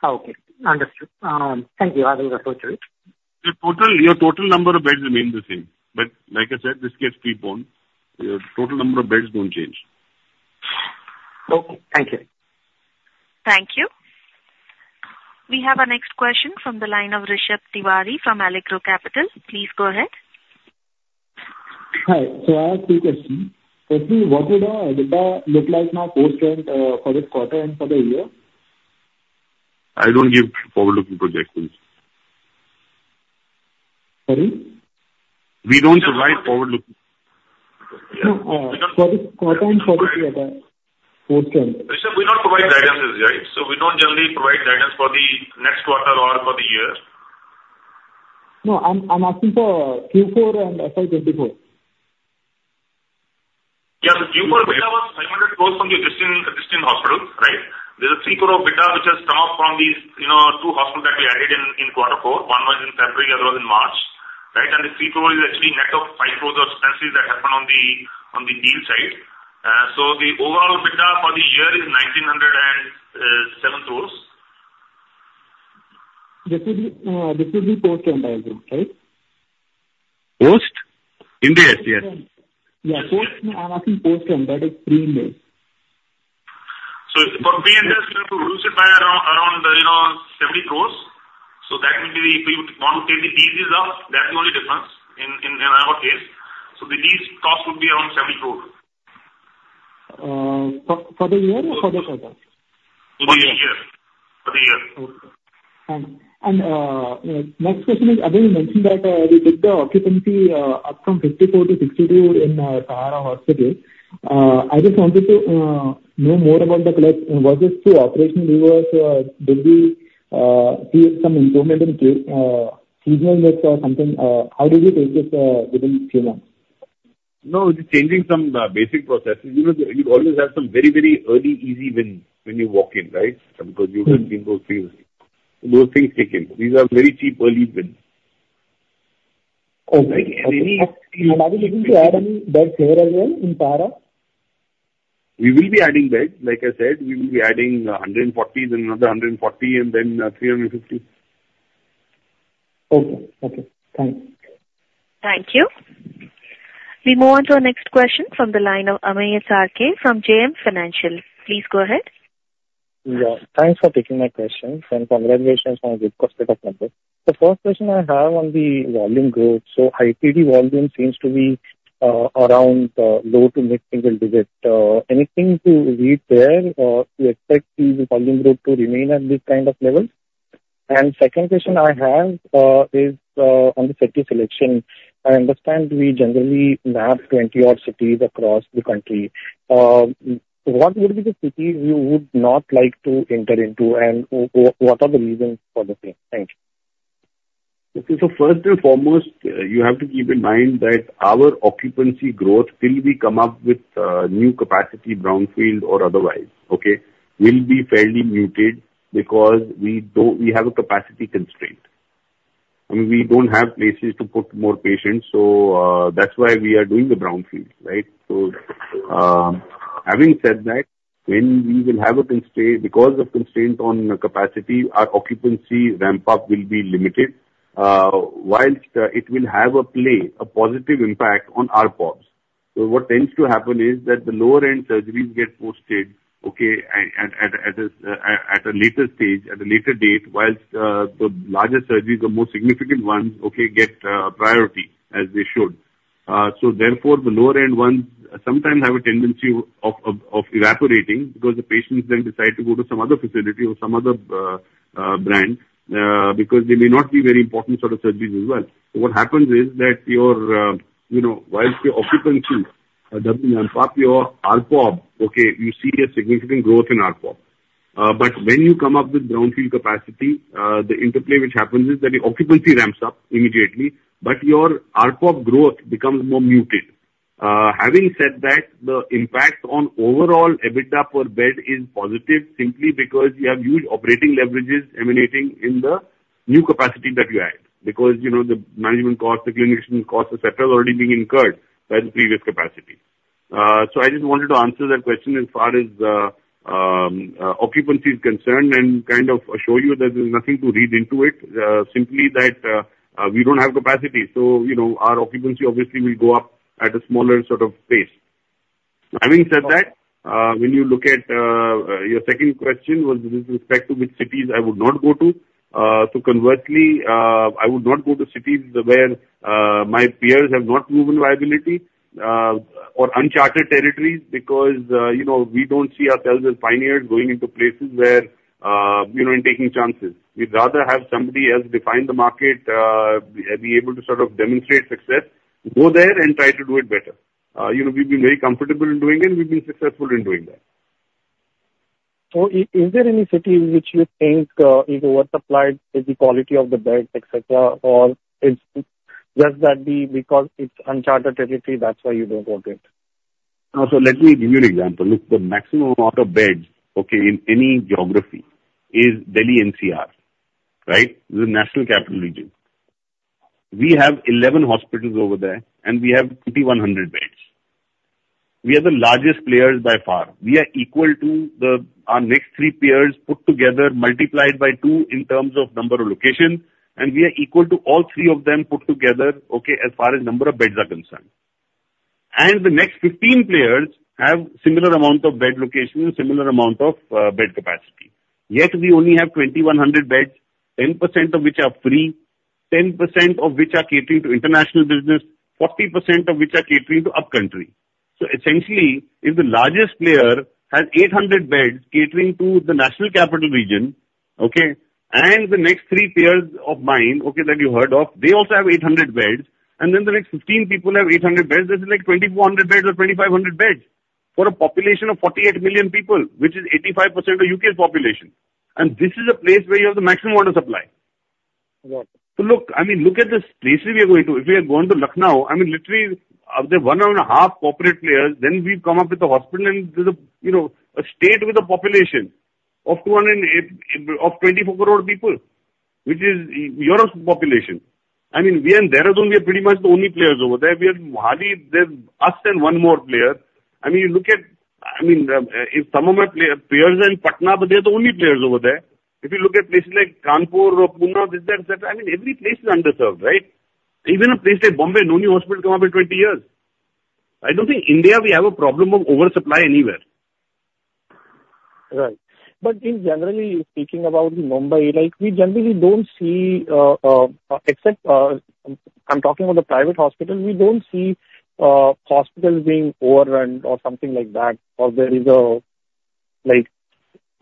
Okay. Understood. Thank you. I will refer to it. Your total, your total number of beds remain the same, but like I said, this gets preponed. Your total number of beds don't change. Okay, thank you. Thank you. We have our next question from the line of Rishabh Tiwari from Allegro Capital. Please go ahead. Hi. So I have two questions. Firstly, what would the EBITDA look like now post and for this quarter and for the year? I don't give forward-looking projections. Sorry? We don't provide forward-looking... Oh. We don't- For this quarter and for the year, forward trend. Rishabh, we don't provide guidances, right? We don't generally provide guidance for the next quarter or for the year. No, I'm, I'm asking for Q4 and FY24. Yeah, the Q4 EBITDA was 500 crore from the existing hospital, right? There's INR 3 crore EBITDA, which has come up from these, you know, two hospitals that we added in quarter four. One was in February, the other was in March, right? And the INR 3 crore is actually net of 5 crore of expenses that happened on the deal side. So the overall EBITDA for the year is 1,907 crore. This is the post end item, right? Post? In the FY, yes. Yeah, post. No, I'm asking post end, that is pre-merger. So for pre- and post, you have to reduce it by around, around, you know, 70 crores. So that will be the... If you want to take the deals off, that's the only difference in our case. So the deals cost would be around INR 70 crore. For the year or for the quarter? For the year. For the year. Okay. Next question is, I know you mentioned that you took the occupancy up from 54 to 62 in Sahara Hospital. I just wanted to know more. Was this through operational levers? Did we see some improvement in case mix or seasonal mix or something? How did you take this within few months? No, just changing some basic processes. You know, you always have some very, very early easy wins when you walk in, right? Because you will see those things, those things kick in. These are very cheap early wins. Okay. Like any- Are you looking to add any beds here as well in Sahara? We will be adding beds. Like I said, we will be adding 140, then another 140, and then 350.... Okay. Okay, thank you. Thank you. We move on to our next question from the line of Amey Chalke from JM Financial. Please go ahead. Yeah, thanks for taking my question, and congratulations on a good quarter performance. The first question I have on the volume growth: So IPD volume seems to be around low- to mid-single-digit. Anything to read there, or do you expect the volume growth to remain at this kind of level? And second question I have is on the city selection. I understand we generally map 20-odd cities across the country. What would be the cities you would not like to enter into, and what are the reasons for the same? Thank you. Okay. So first and foremost, you have to keep in mind that our occupancy growth till we come up with new capacity, brownfield or otherwise, okay, will be fairly muted because we don't. We have a capacity constraint, and we don't have places to put more patients, so that's why we are doing the brownfield, right? So having said that, because of constraints on capacity, our occupancy ramp-up will be limited whilst it will have a play, a positive impact on ARPOPs. So what tends to happen is that the lower-end surgeries get posted, okay, at a later stage, at a later date, whilst the larger surgeries, the more significant ones, okay, get priority, as they should. So therefore, the lower-end ones sometimes have a tendency of evaporating, because the patients then decide to go to some other facility or some other brand, because they may not be very important sort of surgeries as well. So what happens is that your, you know, whilst your occupancy doesn't ramp up your RPop, okay, you see a significant growth in RPop. But when you come up with brownfield capacity, the interplay which happens is that your occupancy ramps up immediately, but your RPop growth becomes more muted. Having said that, the impact on overall EBITDA per bed is positive, simply because you have huge operating leverages emanating in the new capacity that you add, because, you know, the management costs, the clinician costs, et cetera, are already being incurred by the previous capacity. So I just wanted to answer that question as far as occupancy is concerned and kind of assure you that there's nothing to read into it. Simply that we don't have capacity, so, you know, our occupancy obviously will go up at a smaller sort of pace. Having said that, when you look at your second question was with respect to which cities I would not go to. So conversely, I would not go to cities where my peers have not proven viability or uncharted territories, because, you know, we don't see ourselves as pioneers going into places where, you know, and taking chances. We'd rather have somebody else define the market, be able to sort of demonstrate success, go there and try to do it better. you know, we've been very comfortable in doing it, and we've been successful in doing that. So is there any city which you think is oversupplied with the quality of the beds, et cetera? Or is just that be because it's uncharted territory, that's why you don't want it? So let me give you an example. Look, the maximum amount of beds, okay, in any geography is Delhi NCR, right? The National Capital Region. We have 11 hospitals over there, and we have 2,100 beds. We are the largest players by far. We are equal to the, our next 3 peers put together, multiplied by two in terms of number of locations, and we are equal to all three of them put together, okay, as far as number of beds are concerned. And the next 15 players have similar amount of bed locations, similar amount of, bed capacity. Yet, we only have 2,100 beds, 10% of which are free, 10% of which are catering to international business, 40% of which are catering to up country. So essentially, if the largest player has 800 beds catering to the National Capital Region, okay, and the next 3 peers of mine, okay, that you heard of, they also have 800 beds, and then the next 15 people have 800 beds, this is like 2,400 beds or 2,500 beds for a population of 48 million people, which is 85% of U.K.'s population. And this is a place where you have the maximum amount of supply. Right. So look, I mean, look at the places we are going to. If we are going to Lucknow, I mean, literally, there are 1.5 corporate players, then we've come up with a hospital, and there's a, you know, a state with a population of 208... of 24 crore people, which is Europe's population. I mean, we in Dehradun, we are pretty much the only players over there. We are hardly, there's us and one more player. I mean, you look at-- I mean, if some of my player, peers are in Patna, but they're the only players over there. If you look at places like Kanpur or Pune, this, that, et cetera, I mean, every place is underserved, right? Even a place like Bombay, no new hospital come up in 20 years. I don't think India, we have a problem of oversupply anywhere. Right. But in general, speaking about Mumbai, like, we generally don't see, except, I'm talking about the private hospital. We don't see, hospitals being overrun or something like that, or there is a... Like,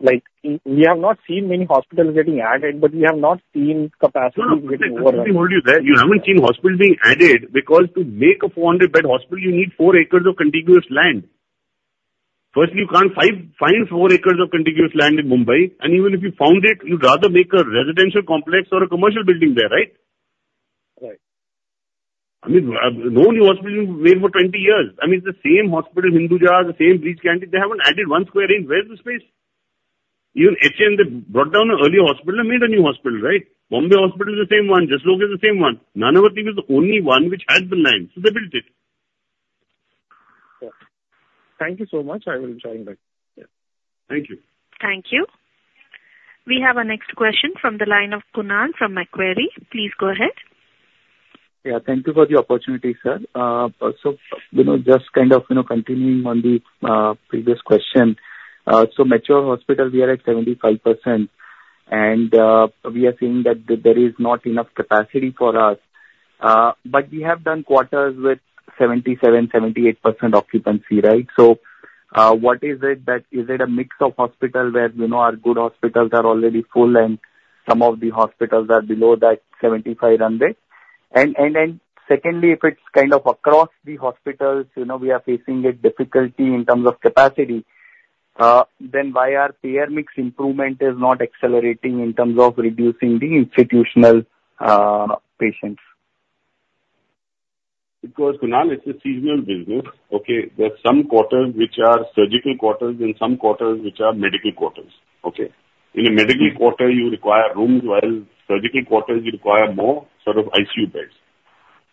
like, we have not seen many hospitals getting added, but we have not seen capacity get overrun. No, let me hold you there. You haven't seen hospitals being added, because to make a 400-bed hospital, you need 4 acres of contiguous land. Firstly, you can't find 4 acres of contiguous land in Mumbai, and even if you found it, you'd rather make a residential complex or a commercial building there, right? Right. I mean, no new hospital being made for 20 years. I mean, the same hospital, Hinduja, the same Breach Candy, they haven't added one square inch. Where is the space? Even HCM, they brought down an earlier hospital and made a new hospital, right? Bombay Hospital is the same one. Jaslok is the same one. Nanavati was the only one which had the land, so they built it. Thank you so much. I will join back. Yeah. Thank you. Thank you. We have our next question from the line of Kunal from Macquarie. Please go ahead. Yeah. Thank you for the opportunity, sir. So, you know, just kind of, you know, continuing on the previous question. So mature hospital, we are at 75%, and we are seeing that there is not enough capacity for us, but we have done quarters with 77%-78% occupancy, right? So, what is it that, is it a mix of hospital where, you know, our good hospitals are already full, and some of the hospitals are below that 75 run rate? And secondly, if it's kind of across the hospitals, you know, we are facing a difficulty in terms of capacity, then why our payer mix improvement is not accelerating in terms of reducing the institutional patients? Because, Kunal, it's a seasonal business, okay? There's some quarters which are surgical quarters and some quarters which are medical quarters, okay? In a medical quarter, you require rooms, while surgical quarters you require more sort of ICU beds.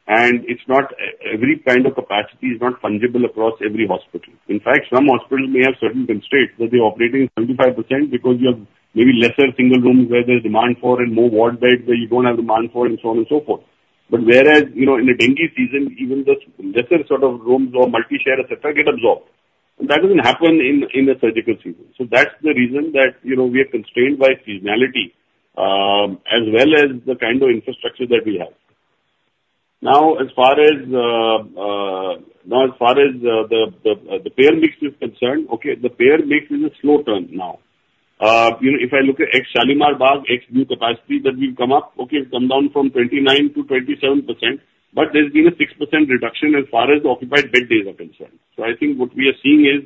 And it's not every kind of capacity is not fungible across every hospital. In fact, some hospitals may have certain constraints, that they're operating 75% because you have maybe lesser single rooms where there's demand for and more ward beds, where you don't have demand for, and so on and so forth. But whereas, you know, in a dengue season, even the lesser sort of rooms or multi-share, et cetera, get absorbed, and that doesn't happen in a surgical season. So that's the reason that, you know, we are constrained by seasonality, as well as the kind of infrastructure that we have. Now, as far as the payer mix is concerned, okay, the payer mix is a slow turn now. You know, if I look at ex-Shalimar Bagh, ex new capacity that we've come up, okay, it's come down from 29%-27%, but there's been a 6% reduction as far as the occupied bed days are concerned. So I think what we are seeing is,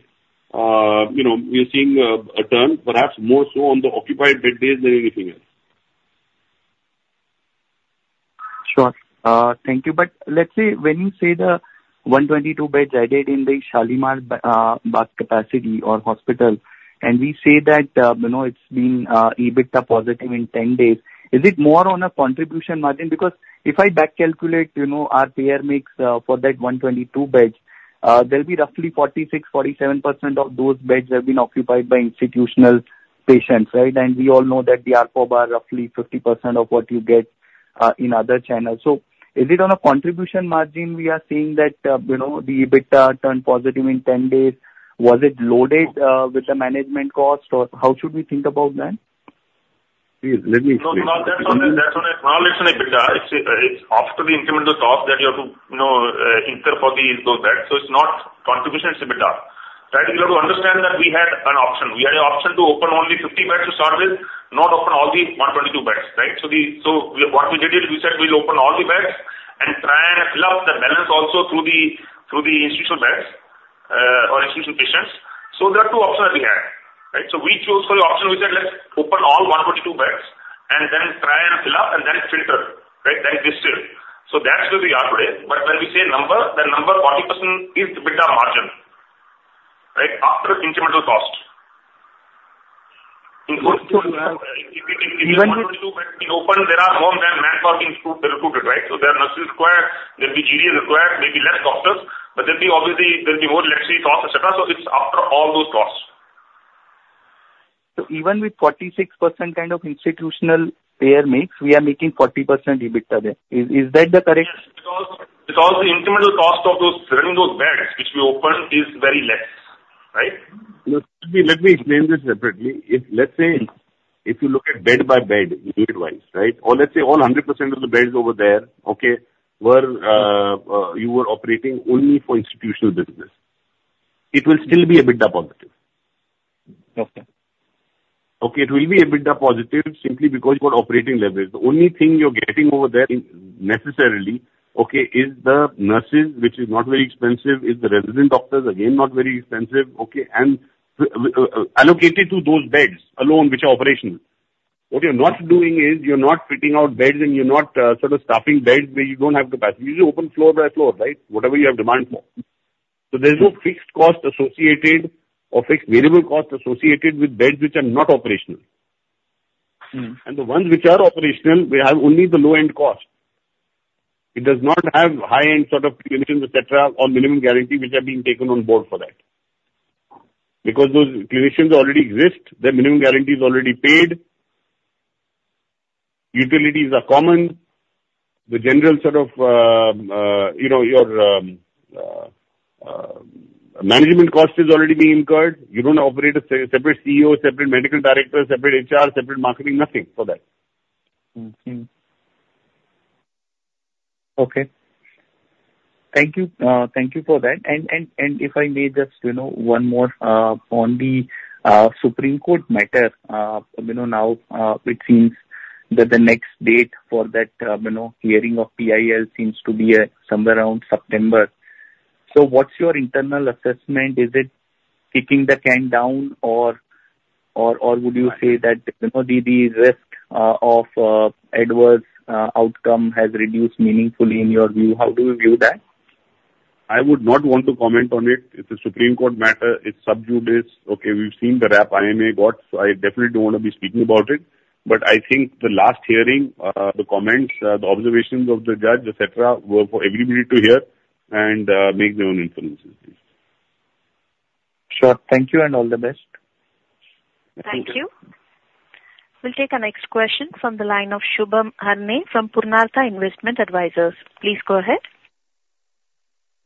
you know, we are seeing a turn, perhaps more so on the occupied bed days than anything else. Sure. Thank you. But let's say, when you say the 122 beds added in the Shalimar Bagh capacity or hospital, and we say that, you know, it's been EBITDA positive in 10 days, is it more on a contribution margin? Because if I back calculate, you know, our payer mix, for that 122 beds, there'll be roughly 46%-47% of those beds have been occupied by institutional patients, right? And we all know that the ARPOB are roughly 50% of what you get in other channels. So is it on a contribution margin we are seeing that, you know, the EBITDA turned positive in 10 days? Was it loaded with the management cost, or how should we think about that? Please let me explain. No, because that's on a. Not only it's an EBITDA, it's after the incremental cost that you have to, you know, incur for those beds. So it's not contribution, it's EBITDA. Right, you have to understand that we had an option. We had an option to open only 50 beds to start with, not open all the 122 beds, right? So what we did is, we said we'll open all the beds and try and fill up the balance also through the institutional beds, or institutional patients. So there are two options that we had, right? So we chose for the option, we said, "Let's open all 122 beds, and then try and fill up, and then filter." Right? Then distill. So that's where we are today. But when we say number, the number 40% is EBITDA margin, right, after incremental cost. In total, if 122 beds be open, there are more manpower being recruited, right? So there are nurses required, there'll be GDAs required, maybe less doctors, but there'll be obviously, there'll be more, let's say, costs, etc. So it's after all those costs. So even with 46% kind of institutional payer mix, we are making 40% EBITDA there. Is that the correct- Because the incremental cost of those running those beds which we opened is very less, right? Let me, let me explain this separately. If, let's say, if you look at bed by bed unit-wise, right? Or let's say all 100% of the beds over there, okay, were you were operating only for institutional business. It will still be EBITDA positive. Okay. Okay, it will be EBITDA positive simply because you've got operating leverage. The only thing you're getting over there in necessarily, okay, is the nurses, which is not very expensive, is the resident doctors, again, not very expensive, okay, and allocated to those beds alone, which are operational. What you're not doing is, you're not fitting out beds, and you're not sort of staffing beds where you don't have capacity. You just open floor by floor, right? Whatever you have demand for. So there's no fixed cost associated or fixed variable cost associated with beds which are operational. And the ones which are operational, we have only the low-end cost. It does not have high-end sort of clinicians, et cetera, or minimum guarantee, which are being taken on board for that. Because those clinicians already exist, their minimum guarantee is already paid. Utilities are common. The general sort of, you know, your management cost is already being incurred. You don't operate a separate CEO, separate medical director, separate HR, separate marketing, nothing for that. Mm-hmm. Okay. Thank you. Thank you for that. And if I may just, you know, one more on the Supreme Court matter. You know, now, it seems that the next date for that, you know, hearing of PIL seems to be somewhere around September. So what's your internal assessment? Is it kicking the can down or would you say that, you know, the risk of adverse outcome has reduced meaningfully in your view? How do you view that? I would not want to comment on it. It's a Supreme Court matter. It's sub judice. Okay, we've seen the rap IMA got, so I definitely don't want to be speaking about it... But I think the last hearing, the comments, the observations of the judge, et cetera, were for everybody to hear and make their own inferences. Sure. Thank you and all the best. Thank you. We'll take our next question from the line of Shubham Harne from Purnartha Investment Advisors. Please go ahead.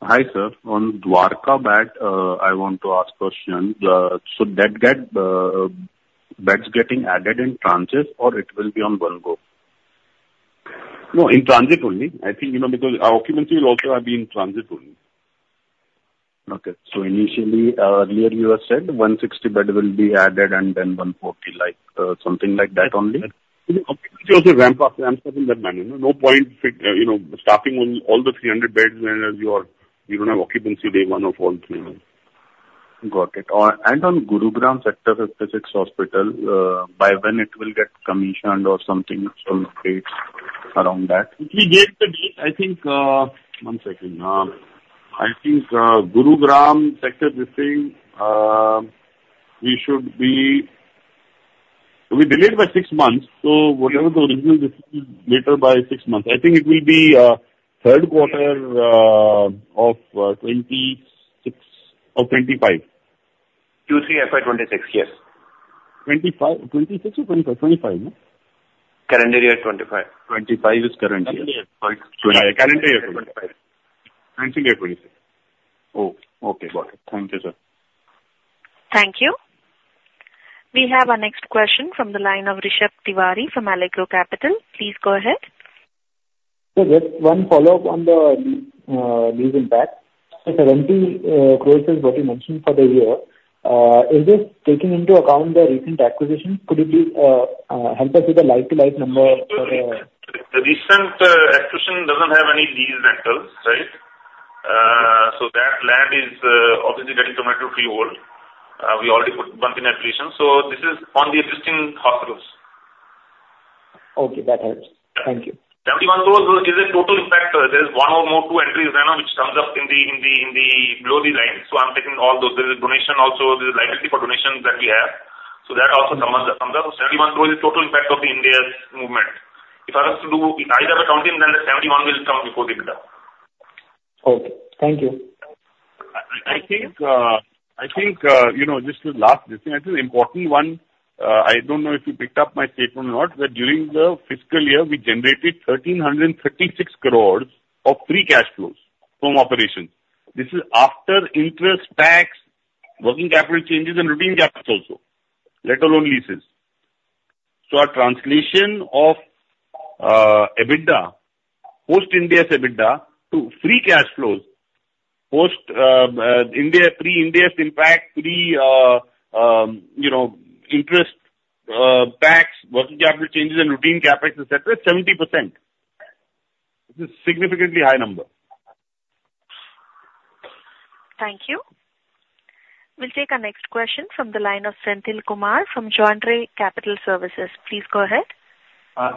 Hi, sir. On Dwarka bed, I want to ask question. So that get, beds getting added in tranches, or it will be on one go? No, in tranches only. I think, you know, because our occupancy will also have been in tranches only. Okay. So initially, earlier you had said 160 bed will be added and then 140, like, something like that only? Because occupancy also ramp up, ramps up in that manner. No point, you know, starting on all the 300 beds when you are, you don't have occupancy day one of all three, you know. Got it. And on Gurugram Sector 56 hospital, by when it will get commissioned or something from dates around that? We gave the date, I think... One second. I think, Gurugram Sector 15, we delayed by six months, so whatever the original date is later by six months. I think it will be third quarter of 2026 or 2025. Q3 FY 2026, yes. 25. 26 or 25? 25, no? Current year, 2025. 2025 is current year. Current year, 2025. Financial year, 2026. Oh, okay. Got it. Thank you, sir. Thank you. We have our next question from the line of Rishabh Tiwari from Allegro Capital. Please go ahead. So just one follow-up on the lease impact. So the rental growth is what you mentioned for the year. Is this taking into account the recent acquisition? Could you please help us with a like-to-like number for- The recent acquisition doesn't have any lease rentals, right? So that land is obviously getting committed to freehold. We already put one in acquisition, so this is on the existing hospitals. Okay, that helps. Thank you. 71 crore is a total impact. There is one or more, two entries there, which comes up in the below the line. So I'm taking all those. There is a donation also. There is liability for donations that we have. So that also comes up. INR 71 crore is total impact of the Ind AS movement. If I was to do either accounting, then the 71 will come before the Ind AS. Okay, thank you. I think, you know, just to last this, I think an important one, I don't know if you picked up my statement or not, that during the fiscal year, we generated 1,336 crores of free cash flows from operations. This is after interest, tax, working capital changes and routine CapEx also, let alone leases. So our translation of EBITDA, post-Ind AS EBITDA to free cash flows, post Ind AS, pre-Ind AS impact, pre, you know, interest, tax, working capital changes and routine CapEx, et cetera, 70%. It's a significantly high number. Thank you. We'll take our next question from the line of Senthil Kumar from Joindre Capital Services. Please go ahead.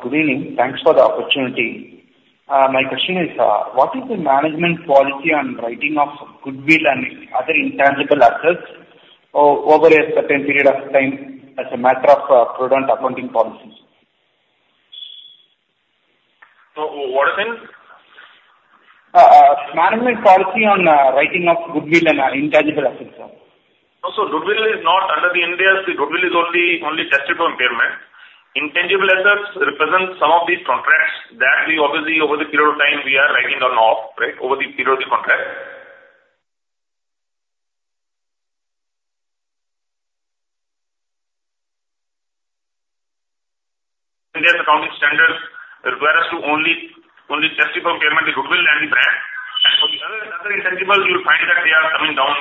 Good evening. Thanks for the opportunity. My question is, what is the management policy on writing off goodwill and other intangible assets over a certain period of time as a matter of prudent accounting policies? So, what is it? Management policy on writing off goodwill and intangible assets, sir? So goodwill is not under the Ind AS. The goodwill is only, only tested for impairment. Intangible assets represent some of the contracts that we obviously, over the period of time, we are writing off, right? Over the period of the contract. Ind AS accounting standards require us to only, only test for impairment, the goodwill and the brand. And for the other, other intangibles, you will find that they are coming down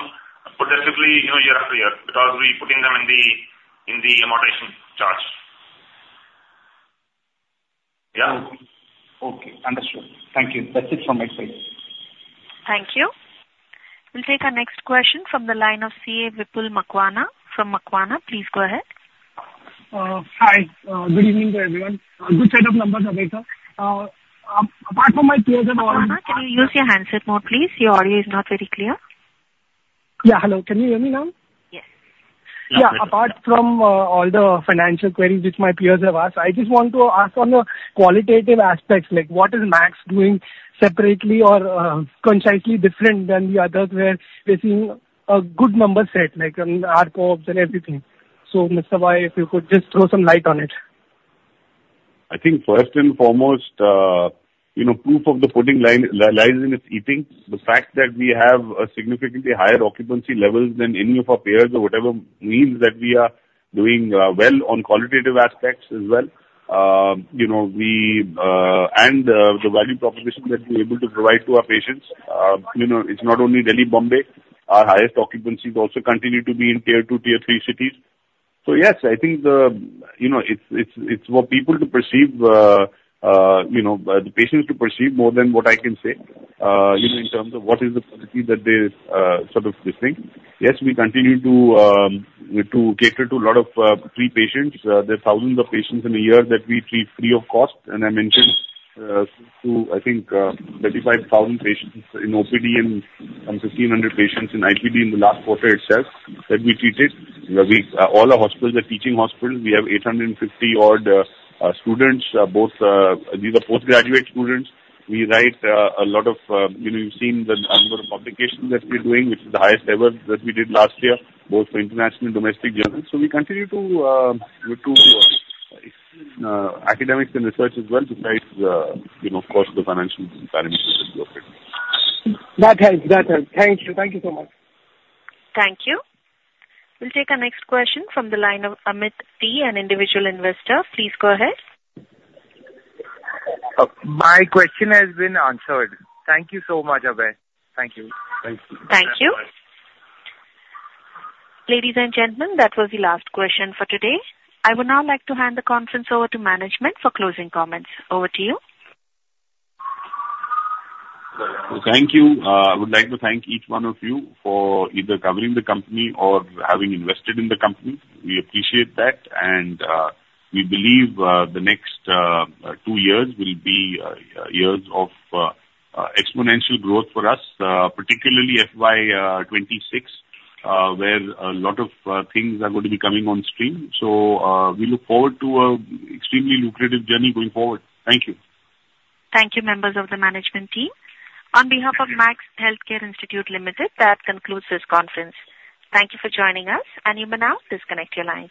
progressively, you know, year after year, because we're putting them in the, in the amortization charge. Yeah? Okay. Understood. Thank you. That's it from my side. Thank you. We'll take our next question from the line of CA Vipul Makwana from Makwana. Please go ahead. Hi. Good evening to everyone. A good set of numbers, Abhay, sir. Apart from my peers- Makwana, can you use your handset mode, please? Your audio is not very clear. Yeah, hello. Can you hear me now? Yes. Yeah. Apart from all the financial queries which my peers have asked, I just want to ask on the qualitative aspects, like, what is Max doing separately or concisely different than the others, where we're seeing a good number set, like in ARPOBs and everything? So, Mr. Abhay, if you could just throw some light on it. I think first and foremost, you know, proof of the pudding lies in its eating. The fact that we have significantly higher occupancy levels than any of our peers or whatever means that we are doing well on qualitative aspects as well. You know, we, the value proposition that we're able to provide to our patients, you know, it's not only Delhi, Bombay. Our highest occupancies also continue to be in tier two, tier three cities. So yes, I think it's for people to perceive, you know, the patients to perceive more than what I can say, you know, in terms of what is the policy that they sort of this thing. Yes, we continue to cater to a lot of free patients. There are thousands of patients in a year that we treat free of cost, and I mentioned to, I think, 35,000 patients in OPD and some 1,500 patients in IPD in the last quarter itself, that we treated. All our hospitals are teaching hospitals. We have 850-odd students, both these are postgraduate students. We write a lot of, you know, you've seen the number of publications that we're doing, which is the highest ever that we did last year, both for international and domestic journals. So we continue to academics and research as well, besides, you know, of course, the financial parameters of it. That helps. That helps. Thank you. Thank you so much. Thank you. We'll take our next question from the line of Amit T, an individual investor. Please go ahead. My question has been answered. Thank you so much, Abhay. Thank you. Thank you. Thank you. Ladies and gentlemen, that was the last question for today. I would now like to hand the conference over to management for closing comments. Over to you. Thank you. I would like to thank each one of you for either covering the company or having invested in the company. We appreciate that, and, we believe, the next, two years will be, years of, exponential growth for us, particularly FY 2026, where a lot of, things are going to be coming on stream. So, we look forward to a extremely lucrative journey going forward. Thank you. Thank you, members of the management team. Thank you. On behalf of Max Healthcare Institute Limited, that concludes this conference. Thank you for joining us, and you may now disconnect your lines.